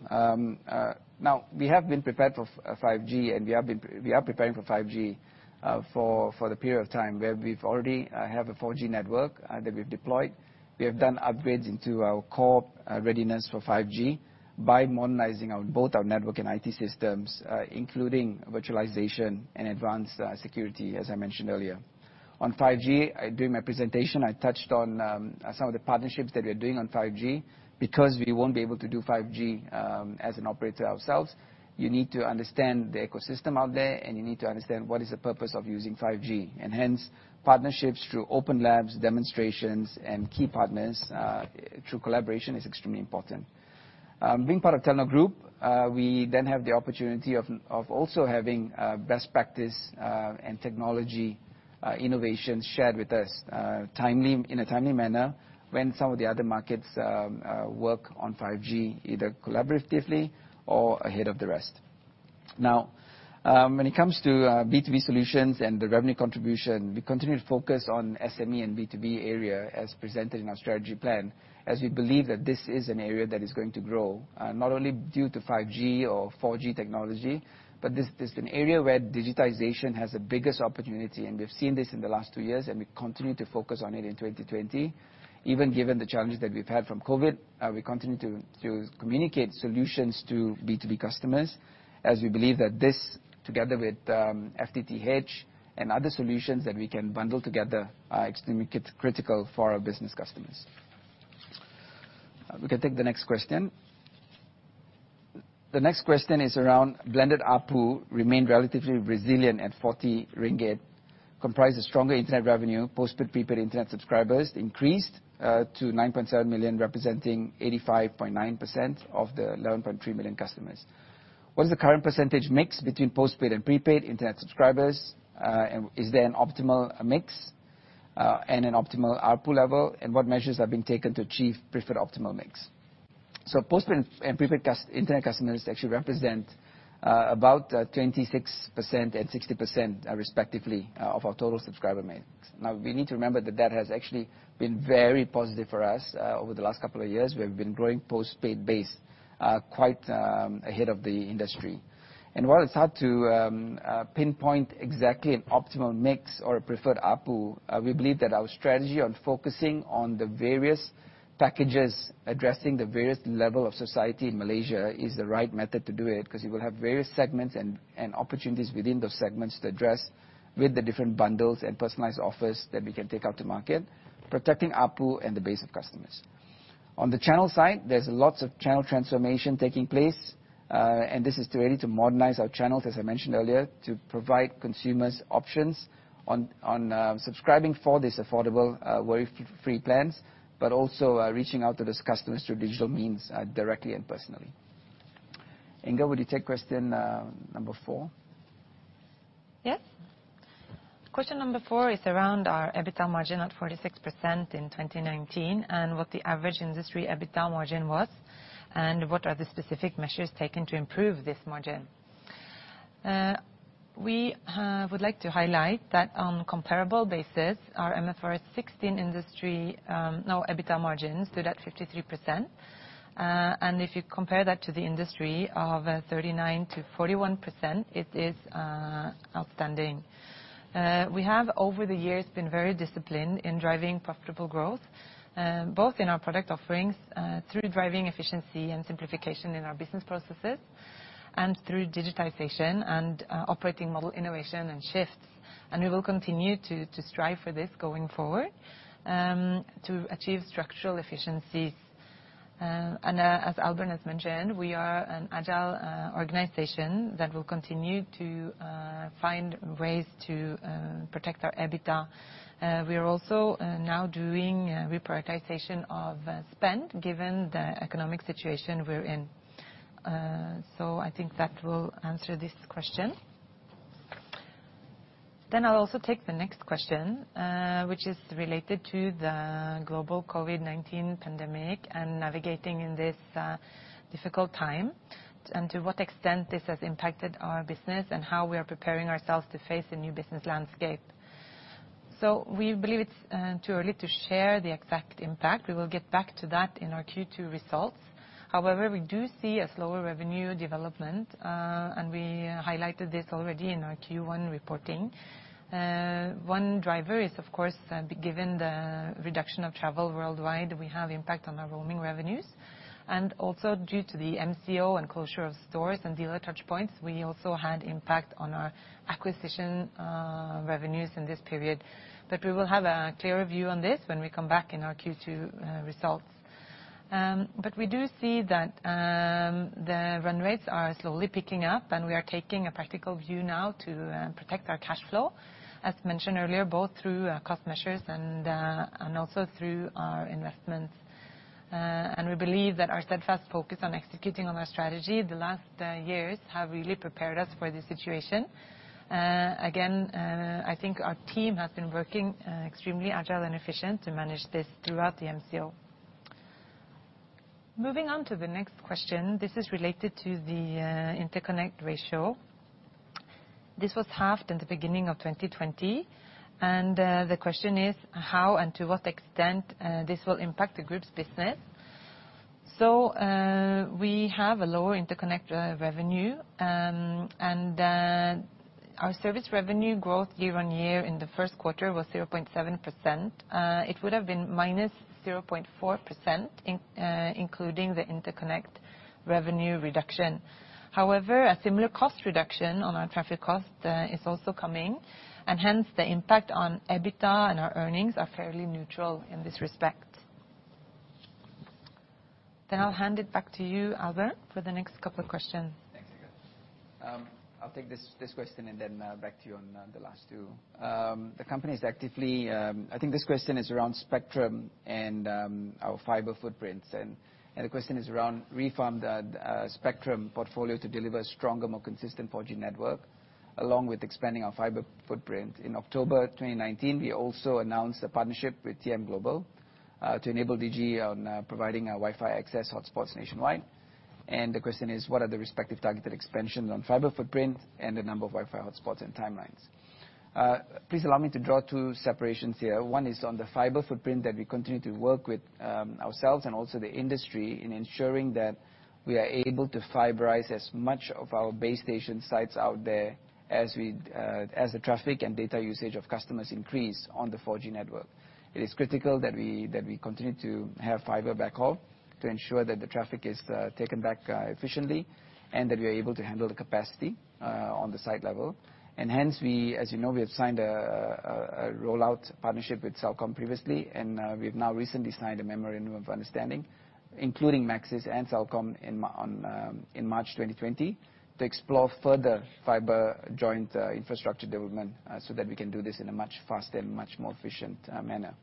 Now, we have been prepared for 5G, and we are preparing for 5G for the period of time where we already have a 4G network that we've deployed. We have done upgrades into our core readiness for 5G by modernizing both our network and IT systems, including virtualization and advanced security, as I mentioned earlier. On 5G, during my presentation, I touched on some of the partnerships that we're doing on 5G because we won't be able to do 5G as an operator ourselves. You need to understand the ecosystem out there, and you need to understand what is the purpose of using 5G. Hence, partnerships through OpenLab, demonstrations, and key partners through collaboration is extremely important. Being part of Telenor Group, we then have the opportunity of also having best practice and technology innovations shared with us in a timely manner when some of the other markets work on 5G, either collaboratively or ahead of the rest. When it comes to B2B solutions and the revenue contribution, we continue to focus on SME and B2B area as presented in our strategy plan, as we believe that this is an area that is going to grow, not only due to 5G or 4G technology, but this is an area where digitization has the biggest opportunity, and we've seen this in the last two years, and we continue to focus on it in 2020. Even given the challenges that we've had from COVID-19, we continue to communicate solutions to B2B customers as we believe that this, together with FTTH and other solutions that we can bundle together, are extremely critical for our business customers. We can take the next question. The next question is around blended ARPU remained relatively resilient at 40 ringgit, comprised of stronger internet revenue, postpaid, prepaid internet subscribers increased to 9.7 million, representing 85.9% of the 11.3 million customers. What is the current % mix between postpaid and prepaid internet subscribers? Is there an optimal mix, and an optimal ARPU level, and what measures are being taken to achieve preferred optimal mix? Postpaid and prepaid internet customers actually represent about 26% and 60% respectively of our total subscriber mix. Now, we need to remember that has actually been very positive for us. Over the last couple of years, we have been growing postpaid base quite ahead of the industry. While it's hard to pinpoint exactly an optimal mix or a preferred ARPU, we believe that our strategy on focusing on the various packages, addressing the various level of society in Malaysia is the right method to do it, because you will have various segments and opportunities within those segments to address with the different bundles and personalized offers that we can take out to market, protecting ARPU and the base of customers. On the channel side, there's lots of channel transformation taking place. This is really to modernize our channels, as I mentioned earlier, to provide consumers options on subscribing for these affordable worry-free plans, but also reaching out to these customers through digital means, directly and personally. Inger, would you take question number four? Yes. Question number four is around our EBITDA margin at 46% in 2019 and what the average industry EBITDA margin was, and what are the specific measures taken to improve this margin. We would like to highlight that on comparable basis, our MFRS 16 industry, now EBITDA margins stood at 53%. If you compare that to the industry of 39%-41%, it is outstanding. We have over the years been very disciplined in driving profitable growth, both in our product offerings through driving efficiency and simplification in our business processes and through digitization and operating model innovation and shifts. We will continue to strive for this going forward, to achieve structural efficiencies. As Albern has mentioned, we are an agile organization that will continue to find ways to protect our EBITDA. We are also now doing reprioritization of spend given the economic situation we're in. I think that will answer this question. I'll also take the next question, which is related to the global COVID-19 pandemic and navigating in this difficult time and to what extent this has impacted our business and how we are preparing ourselves to face a new business landscape. We believe it's too early to share the exact impact. We will get back to that in our Q2 results. However, we do see a slower revenue development, and we highlighted this already in our Q1 reporting. One driver is, of course, given the reduction of travel worldwide, we have impact on our roaming revenues. Also due to the MCO and closure of stores and dealer touchpoints, we also had impact on our acquisition revenues in this period. We will have a clearer view on this when we come back in our Q2 results. We do see that the run rates are slowly picking up and we are taking a practical view now to protect our cash flow, as mentioned earlier, both through cost measures and also through our investments. We believe that our steadfast focus on executing on our strategy the last years have really prepared us for this situation. Again, I think our team has been working extremely agile and efficient to manage this throughout the MCO. Moving on to the next question. This is related to the interconnect ratio. This was halved in the beginning of 2020, and the question is how and to what extent this will impact the group's business. We have a lower interconnect revenue, and our service revenue growth year-on-year in the first quarter was 0.7%. It would have been -0.4% including the interconnect revenue reduction. A similar cost reduction on our traffic cost is also coming, and hence the impact on EBITDA and our earnings are fairly neutral in this respect. I'll hand it back to you, Albern, for the next couple of questions. I'll take this question then back to you on the last two. I think this question is around spectrum and our fiber footprints. The question is around refarmed spectrum portfolio to deliver stronger, more consistent 4G network along with expanding our fiber footprint. In October 2019, we also announced a partnership with TM Global, to enable Digi on providing Wi-Fi access hotspots nationwide. The question is, what are the respective targeted expansions on fiber footprint and the number of Wi-Fi hotspots and timelines? Please allow me to draw two separations here. One is on the fiber footprint that we continue to work with ourselves and also the industry in ensuring that we are able to fiberize as much of our base station sites out there as the traffic and data usage of customers increase on the 4G network. It is critical that we continue to have fiber backhaul to ensure that the traffic is taken back efficiently and that we are able to handle the capacity on the site level. Hence, as you know, we have signed a rollout partnership with Celcom previously, and we have now recently signed a memorandum of understanding, including Maxis and Celcom in March 2020 to explore further fiber joint infrastructure development, so that we can do this in a much faster and much more efficient manner.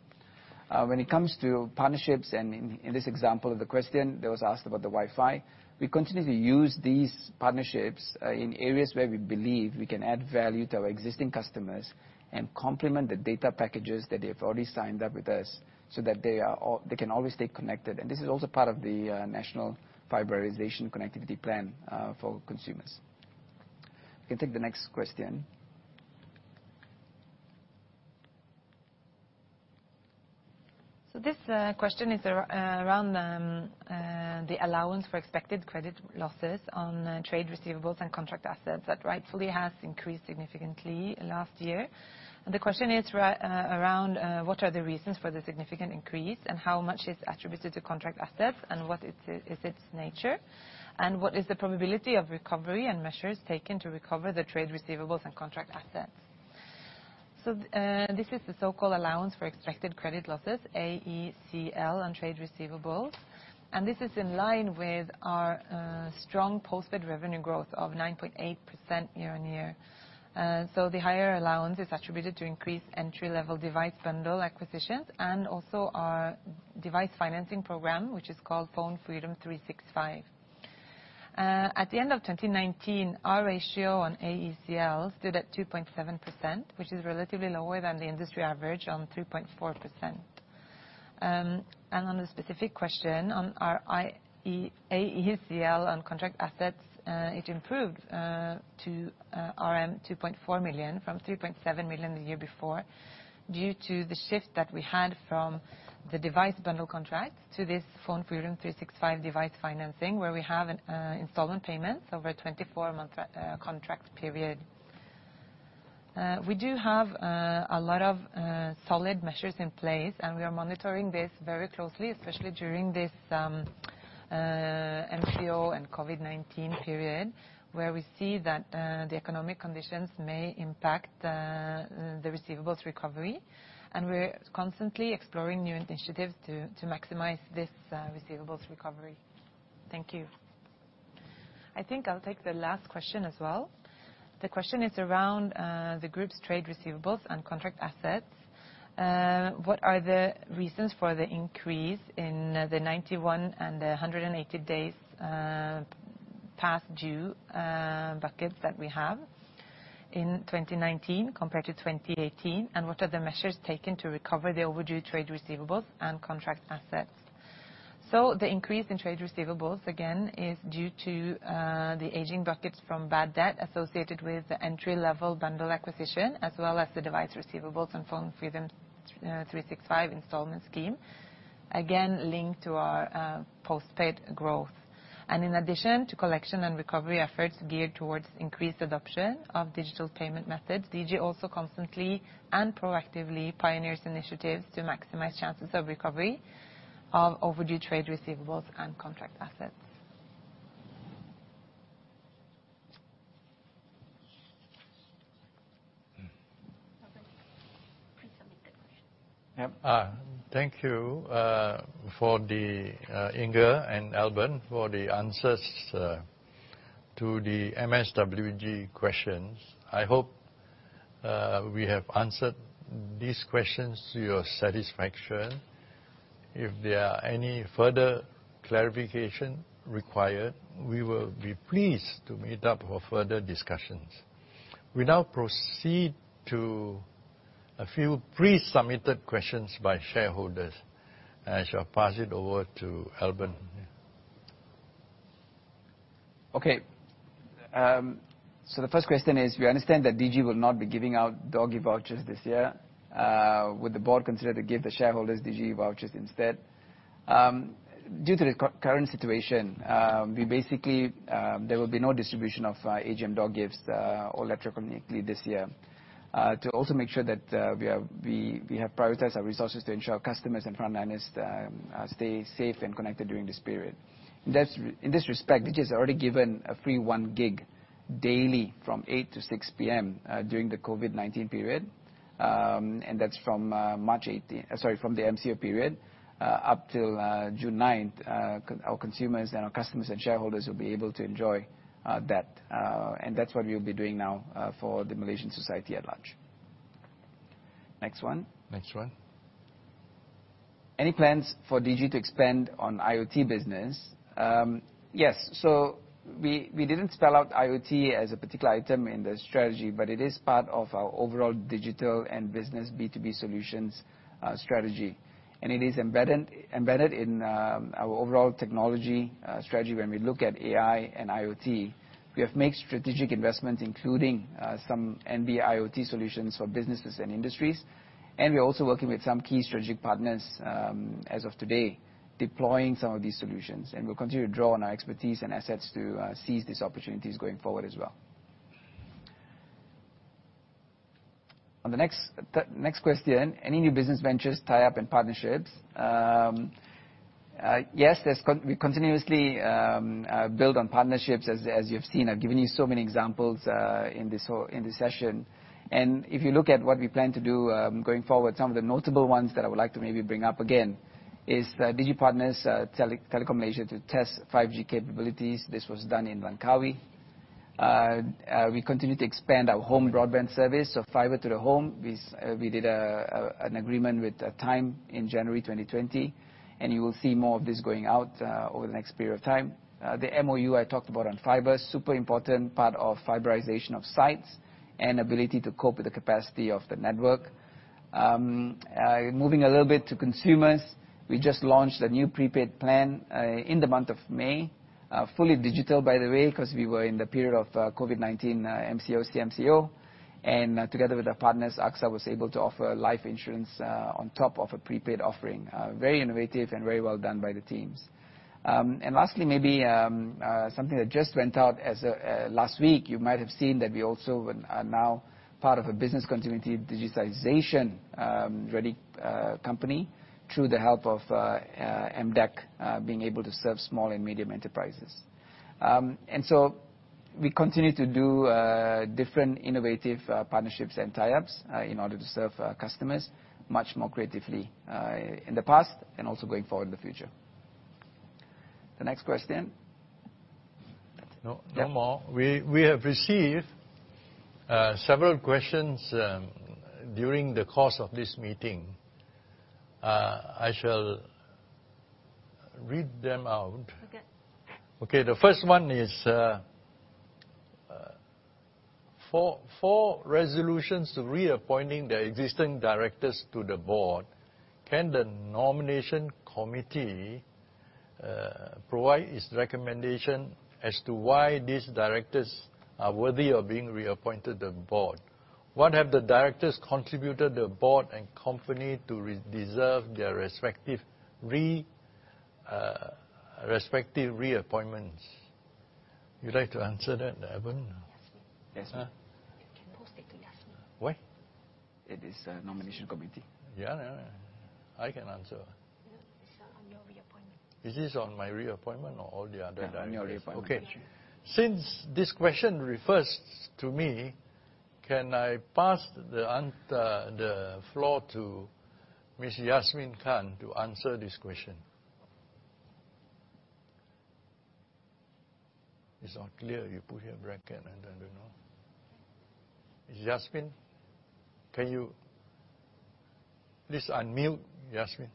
When it comes to partnerships and in this example of the question that was asked about the Wi-Fi, we continue to use these partnerships in areas where we believe we can add value to our existing customers and complement the data packages that they've already signed up with us so that they can always stay connected. This is also part of the National Fiberization Connectivity Plan for consumers. We can take the next question. This question is around the allowance for expected credit losses on trade receivables and contract assets that rightfully has increased significantly last year. The question is around, what are the reasons for the significant increase and how much is attributed to contract assets and what is its nature, and what is the probability of recovery and measures taken to recover the trade receivables and contract assets? This is the so-called allowance for expected credit losses, AECL, on trade receivables. This is in line with our strong postpaid revenue growth of 9.8% year-on-year. The higher allowance is attributed to increased entry-level device bundle acquisitions and also our device financing program, which is called PhoneFreedom 365. At the end of 2019, our ratio on AECL stood at 2.7%, which is relatively lower than the industry average on 3.4%. On the specific question on our AECL on contract assets, it improved to 2.4 million ringgit from 3.7 million the year before due to the shift that we had from the device bundle contract to this PhoneFreedom 365 device financing, where we have installment payments over a 24-month contract period. We do have a lot of solid measures in place, and we are monitoring this very closely, especially during this MCO and COVID-19 period, where we see that the economic conditions may impact the receivables recovery. We're constantly exploring new initiatives to maximize this receivables recovery. Thank you. I think I'll take the last question as well. The question is around the group's trade receivables and contract assets. What are the reasons for the increase in the 91 and the 180 days past due buckets that we have in 2019 compared to 2018, and what are the measures taken to recover the overdue trade receivables and contract assets? The increase in trade receivables, again, is due to the aging buckets from bad debt associated with the entry-level bundle acquisition as well as the device receivables and PhoneFreedom 365 installment scheme, again linked to our postpaid growth. In addition to collection and recovery efforts geared towards increased adoption of digital payment methods, Digi also constantly and proactively pioneers initiatives to maximize chances of recovery of overdue trade receivables and contract assets. Pre-submitted question. Thank you, Inger and Albern, for the answers to the MSWG questions. I hope we have answered these questions to your satisfaction. If there are any further clarification required, we will be pleased to meet up for further discussions. We now proceed to a few pre-submitted questions by shareholders. I shall pass it over to Albern. The first question is: We understand that Digi will not be giving out goody vouchers this year. Would the board consider to give the shareholders Digi vouchers instead? Due to the current situation, basically, there will be no distribution of AGM door gifts or e-community this year. To also make sure that we have prioritized our resources to ensure our customers and frontliners stay safe and connected during this period. In this respect, Digi has already given a free 1 GB daily from 8:00 A.M. to 6:00 P.M. during the COVID-19 period. That's from the MCO period up till June 9th. Our consumers and our customers and shareholders will be able to enjoy that. That's what we'll be doing now for the Malaysian society at large. Next one. Next one. Any plans for Digi to expand on IoT business?" Yes. We didn't spell out IoT as a particular item in the strategy, but it is part of our overall digital and business B2B solutions strategy. It is embedded in our overall technology strategy when we look at AI and IoT. We have made strategic investments, including some NB-IoT solutions for businesses and industries, and we are also working with some key strategic partners as of today, deploying some of these solutions. We'll continue to draw on our expertise and assets to seize these opportunities going forward as well. On the next question. "Any new business ventures, tie-up, and partnerships?" Yes. We continuously build on partnerships, as you have seen. I've given you so many examples in this session. If you look at what we plan to do going forward, some of the notable ones that I would like to maybe bring up again, is Digi partners Telekom Malaysia to test 5G capabilities. This was done in Langkawi. We continue to expand our home broadband service of fiber to the home. We did an agreement with TIME in January 2020. You will see more of this going out over the next period of time. The MoU I talked about on fiber, super important part of fiberization of sites and ability to cope with the capacity of the network. Moving a little bit to consumers, we just launched a new prepaid plan in the month of May. Fully digital, by the way, because we were in the period of COVID-19 MCO, CMCO. Together with our partners, AXA was able to offer life insurance on top of a prepaid offering. Very innovative and very well done by the teams. Lastly, maybe something that just went out as of last week, you might have seen that we also are now part of a business continuity digitization ready company through the help of MDEC, being able to serve small and medium enterprises. We continue to do different innovative partnerships and tie-ups in order to serve our customers much more creatively in the past and also going forward in the future. The next question. No. Yeah. No more. We have received several questions during the course of this meeting. I shall read them out. Okay. The first one is, "For resolutions reappointing the existing directors to the board, can the Nomination Committee provide its recommendation as to why these directors are worthy of being reappointed the board? What have the directors contributed the board and company to deserve their respective reappointments?" You'd like to answer that, Albern? Yasmin. Yes, ma'am. You can pose that to Yasmin. Why? It is a Nomination Committee. Yeah. I can answer. No, it's your reappointment. This is on my reappointment or all the other directors? Yeah, on your reappointment actually. Okay. Since this question refers to me, can I pass the floor to Ms. Yasmin Khan to answer this question? It's not clear. You put here bracket and then Ms. Yasmin, can you please unmute, Yasmin?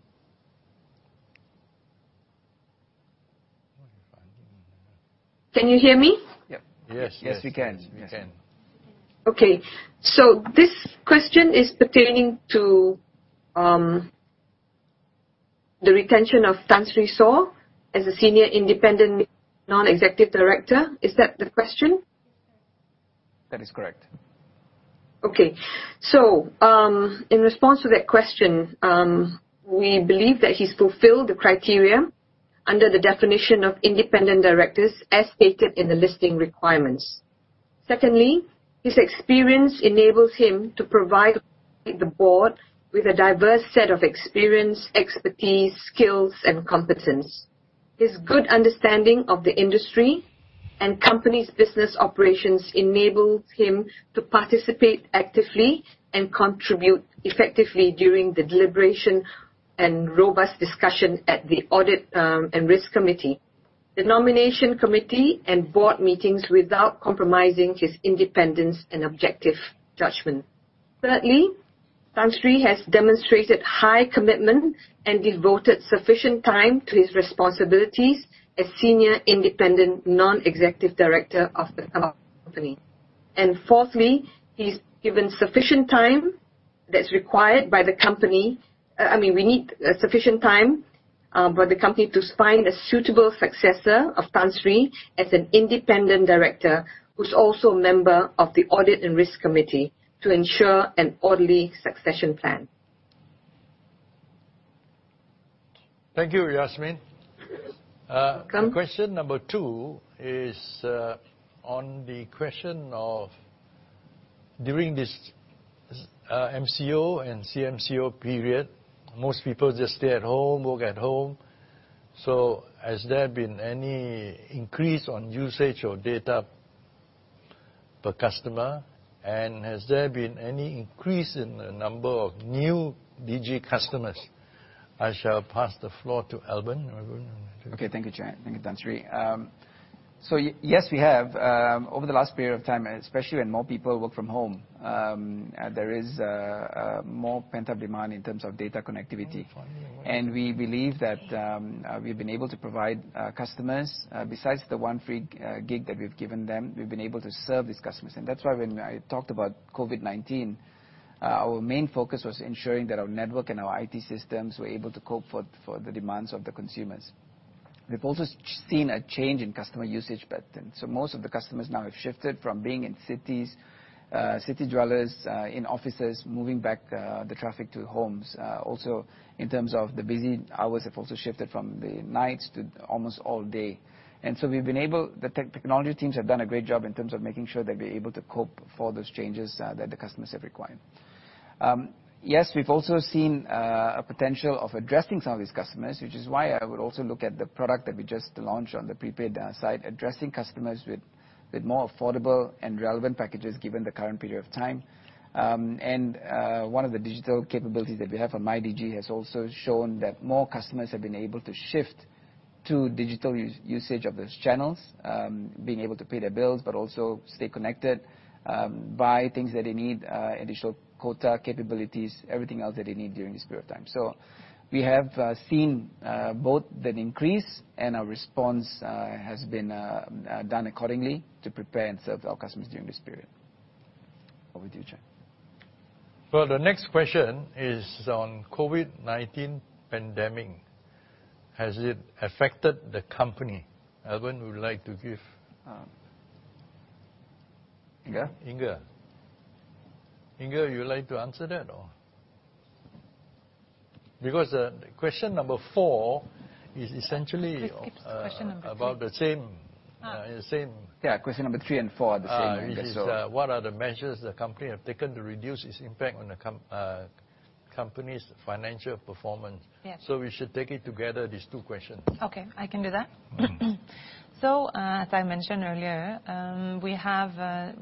Can you hear me? Yep. Yes. Yes, we can. Okay. This question is pertaining to the retention of Tan Sri Saw as a Senior Independent Non-Executive Director. Is that the question? That is correct. In response to that question, we believe that he's fulfilled the criteria under the definition of independent directors as stated in the Listing Requirements. His experience enables him to provide the Board with a diverse set of experience, expertise, skills, and competence. His good understanding of the industry and company's business operations enables him to participate actively and contribute effectively during the deliberation and robust discussion at the Audit and Risk Committee, the Nomination Committee, and Board meetings, without compromising his independence and objective judgment. Tan Sri has demonstrated high commitment and devoted sufficient time to his responsibilities as Senior Independent Non-Executive Director of the Company. He's given sufficient time that's required by the Company. We need sufficient time for the company to find a suitable successor of Tan Sri as an Independent Director who's also a member of the Audit and Risk Committee to ensure an orderly succession plan. Thank you, Yasmin. Welcome. Question number two is on the question of during this MCO and CMCO period, most people just stay at home, work at home. Has there been any increase on usage or data per customer, and has there been any increase in the number of new Digi customers? I shall pass the floor to Albern. Okay. Thank you, Chair. Thank you, Tan Sri. Yes, we have. Over the last period of time, especially when more people work from home, there is more pent-up demand in terms of data connectivity. We believe that we've been able to provide customers, besides the one free gig that we've given them, we've been able to serve these customers. That's why when I talked about COVID-19, our main focus was ensuring that our network and our IT systems were able to cope for the demands of the consumers. We've also seen a change in customer usage patterns. Most of the customers now have shifted from being in cities, city dwellers in offices, moving back the traffic to homes. In terms of the busy hours have also shifted from the nights to almost all day. The technology teams have done a great job in terms of making sure that we're able to cope for those changes that the customers have required. Yes, we've also seen a potential of addressing some of these customers, which is why I would also look at the product that we just launched on the prepaid side, addressing customers with more affordable and relevant packages, given the current period of time. One of the digital capabilities that we have on MyDigi has also shown that more customers have been able to shift to digital usage of those channels, being able to pay their bills, but also stay connected, buy things that they need, additional quota capabilities, everything else that they need during this period of time. We have seen both that increase and our response has been done accordingly to prepare and serve our customers during this period. Over to you, Chair. Well, the next question is on COVID-19 pandemic. Has it affected the company? Albern, would you like to? Inger. Inger, you would like to answer that or? Question number four is essentially- Please keep to question number three. About the same. Yeah. Question number three and four are the same, Inger. What are the measures the company have taken to reduce its impact on the company's financial performance? Yeah. We should take it together, these two questions. Okay. I can do that. As I mentioned earlier, we have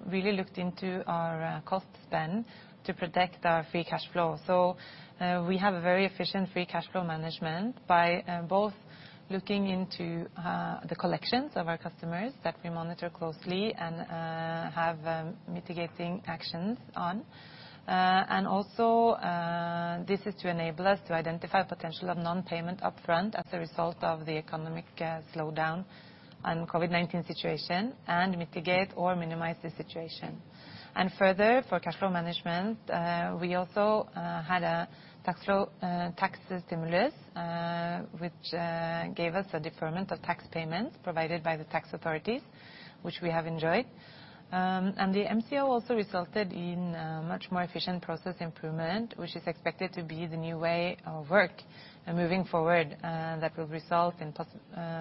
really looked into our cost spend to protect our free cash flow. We have a very efficient free cash flow management by both looking into the collections of our customers that we monitor closely and have mitigating actions on. Also, this is to enable us to identify potential of non-payment upfront as a result of the economic slowdown and COVID-19 situation, and mitigate or minimize the situation. Further, for cash flow management, we also had a tax flow, tax stimulus, which gave us a deferment of tax payment provided by the tax authorities, which we have enjoyed. The MCO also resulted in much more efficient process improvement, which is expected to be the new way of work moving forward, that will result in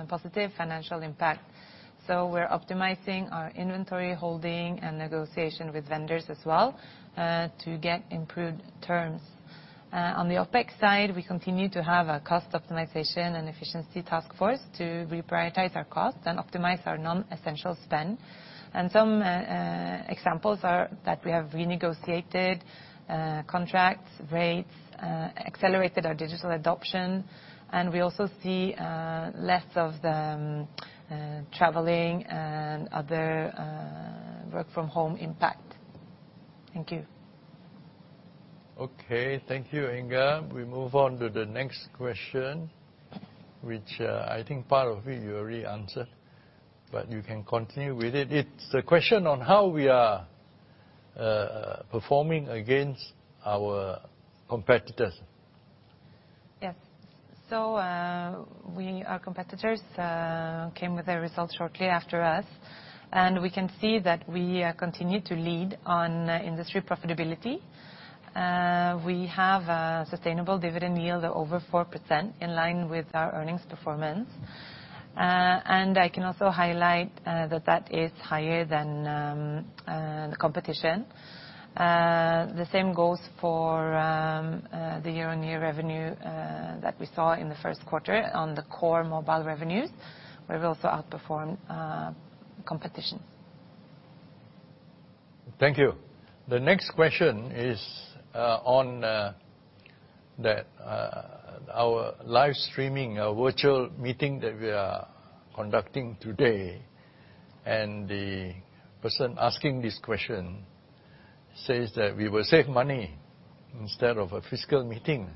positive financial impact. We're optimizing our inventory holding and negotiation with vendors as well, to get improved terms. On the OpEx side, we continue to have a cost optimization and efficiency task force to reprioritize our costs and optimize our non-essential spend. Some examples are that we have renegotiated contracts, rates, accelerated our digital adoption, and we also see less of the traveling and other work from home impact. Thank you. Okay. Thank you, Inger. We move on to the next question, which I think part of it you already answered, but you can continue with it. It's a question on how we are performing against our competitors. Yes. Our competitors came with their results shortly after us, and we can see that we continue to lead on industry profitability. We have a sustainable dividend yield of over 4%, in line with our earnings performance. I can also highlight that that is higher than the competition. The same goes for the year-on-year revenue that we saw in the first quarter on the core mobile revenues. We've also outperformed competition. Thank you. The next question is on our live streaming, our virtual meeting that we are conducting today. The person asking this question says that we will save money instead of a physical meeting.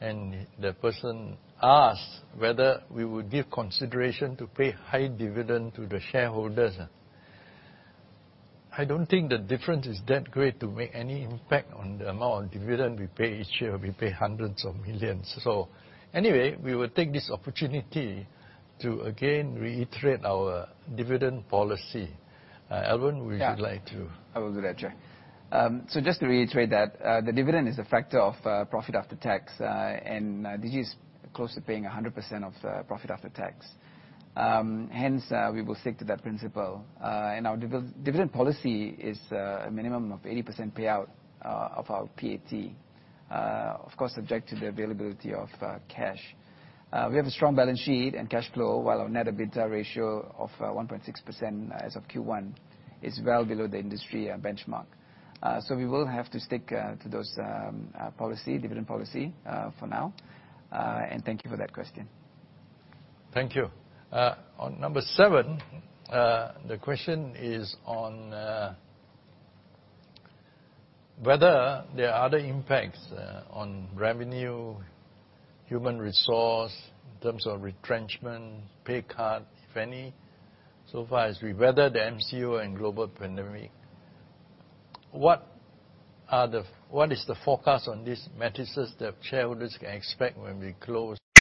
The person asks whether we would give consideration to pay high dividend to the shareholders. I don't think the difference is that great to make any impact on the amount of dividend we pay each year. We pay 100s of millions MYR. Anyway, we will take this opportunity to again reiterate our dividend policy. Albern, would you like to? I will do that, chair. Just to reiterate that, the dividend is a factor of profit after tax, and Digi is close to paying 100% of profit after tax. Hence, we will stick to that principle. Our dividend policy is a minimum of 80% payout of our PAT, of course, subject to the availability of cash. We have a strong balance sheet and cash flow, while our net debt to EBITDA ratio of 1.6% as of Q1 is well below the industry benchmark. We will have to stick to those dividend policy for now. Thank you for that question. Thank you. On number seven, the question is on whether there are other impacts on revenue, human resource, in terms of retrenchment, pay cut, if any, so far as we weather the MCO and global pandemic. What is the forecast on these matters that shareholders can expect when we close?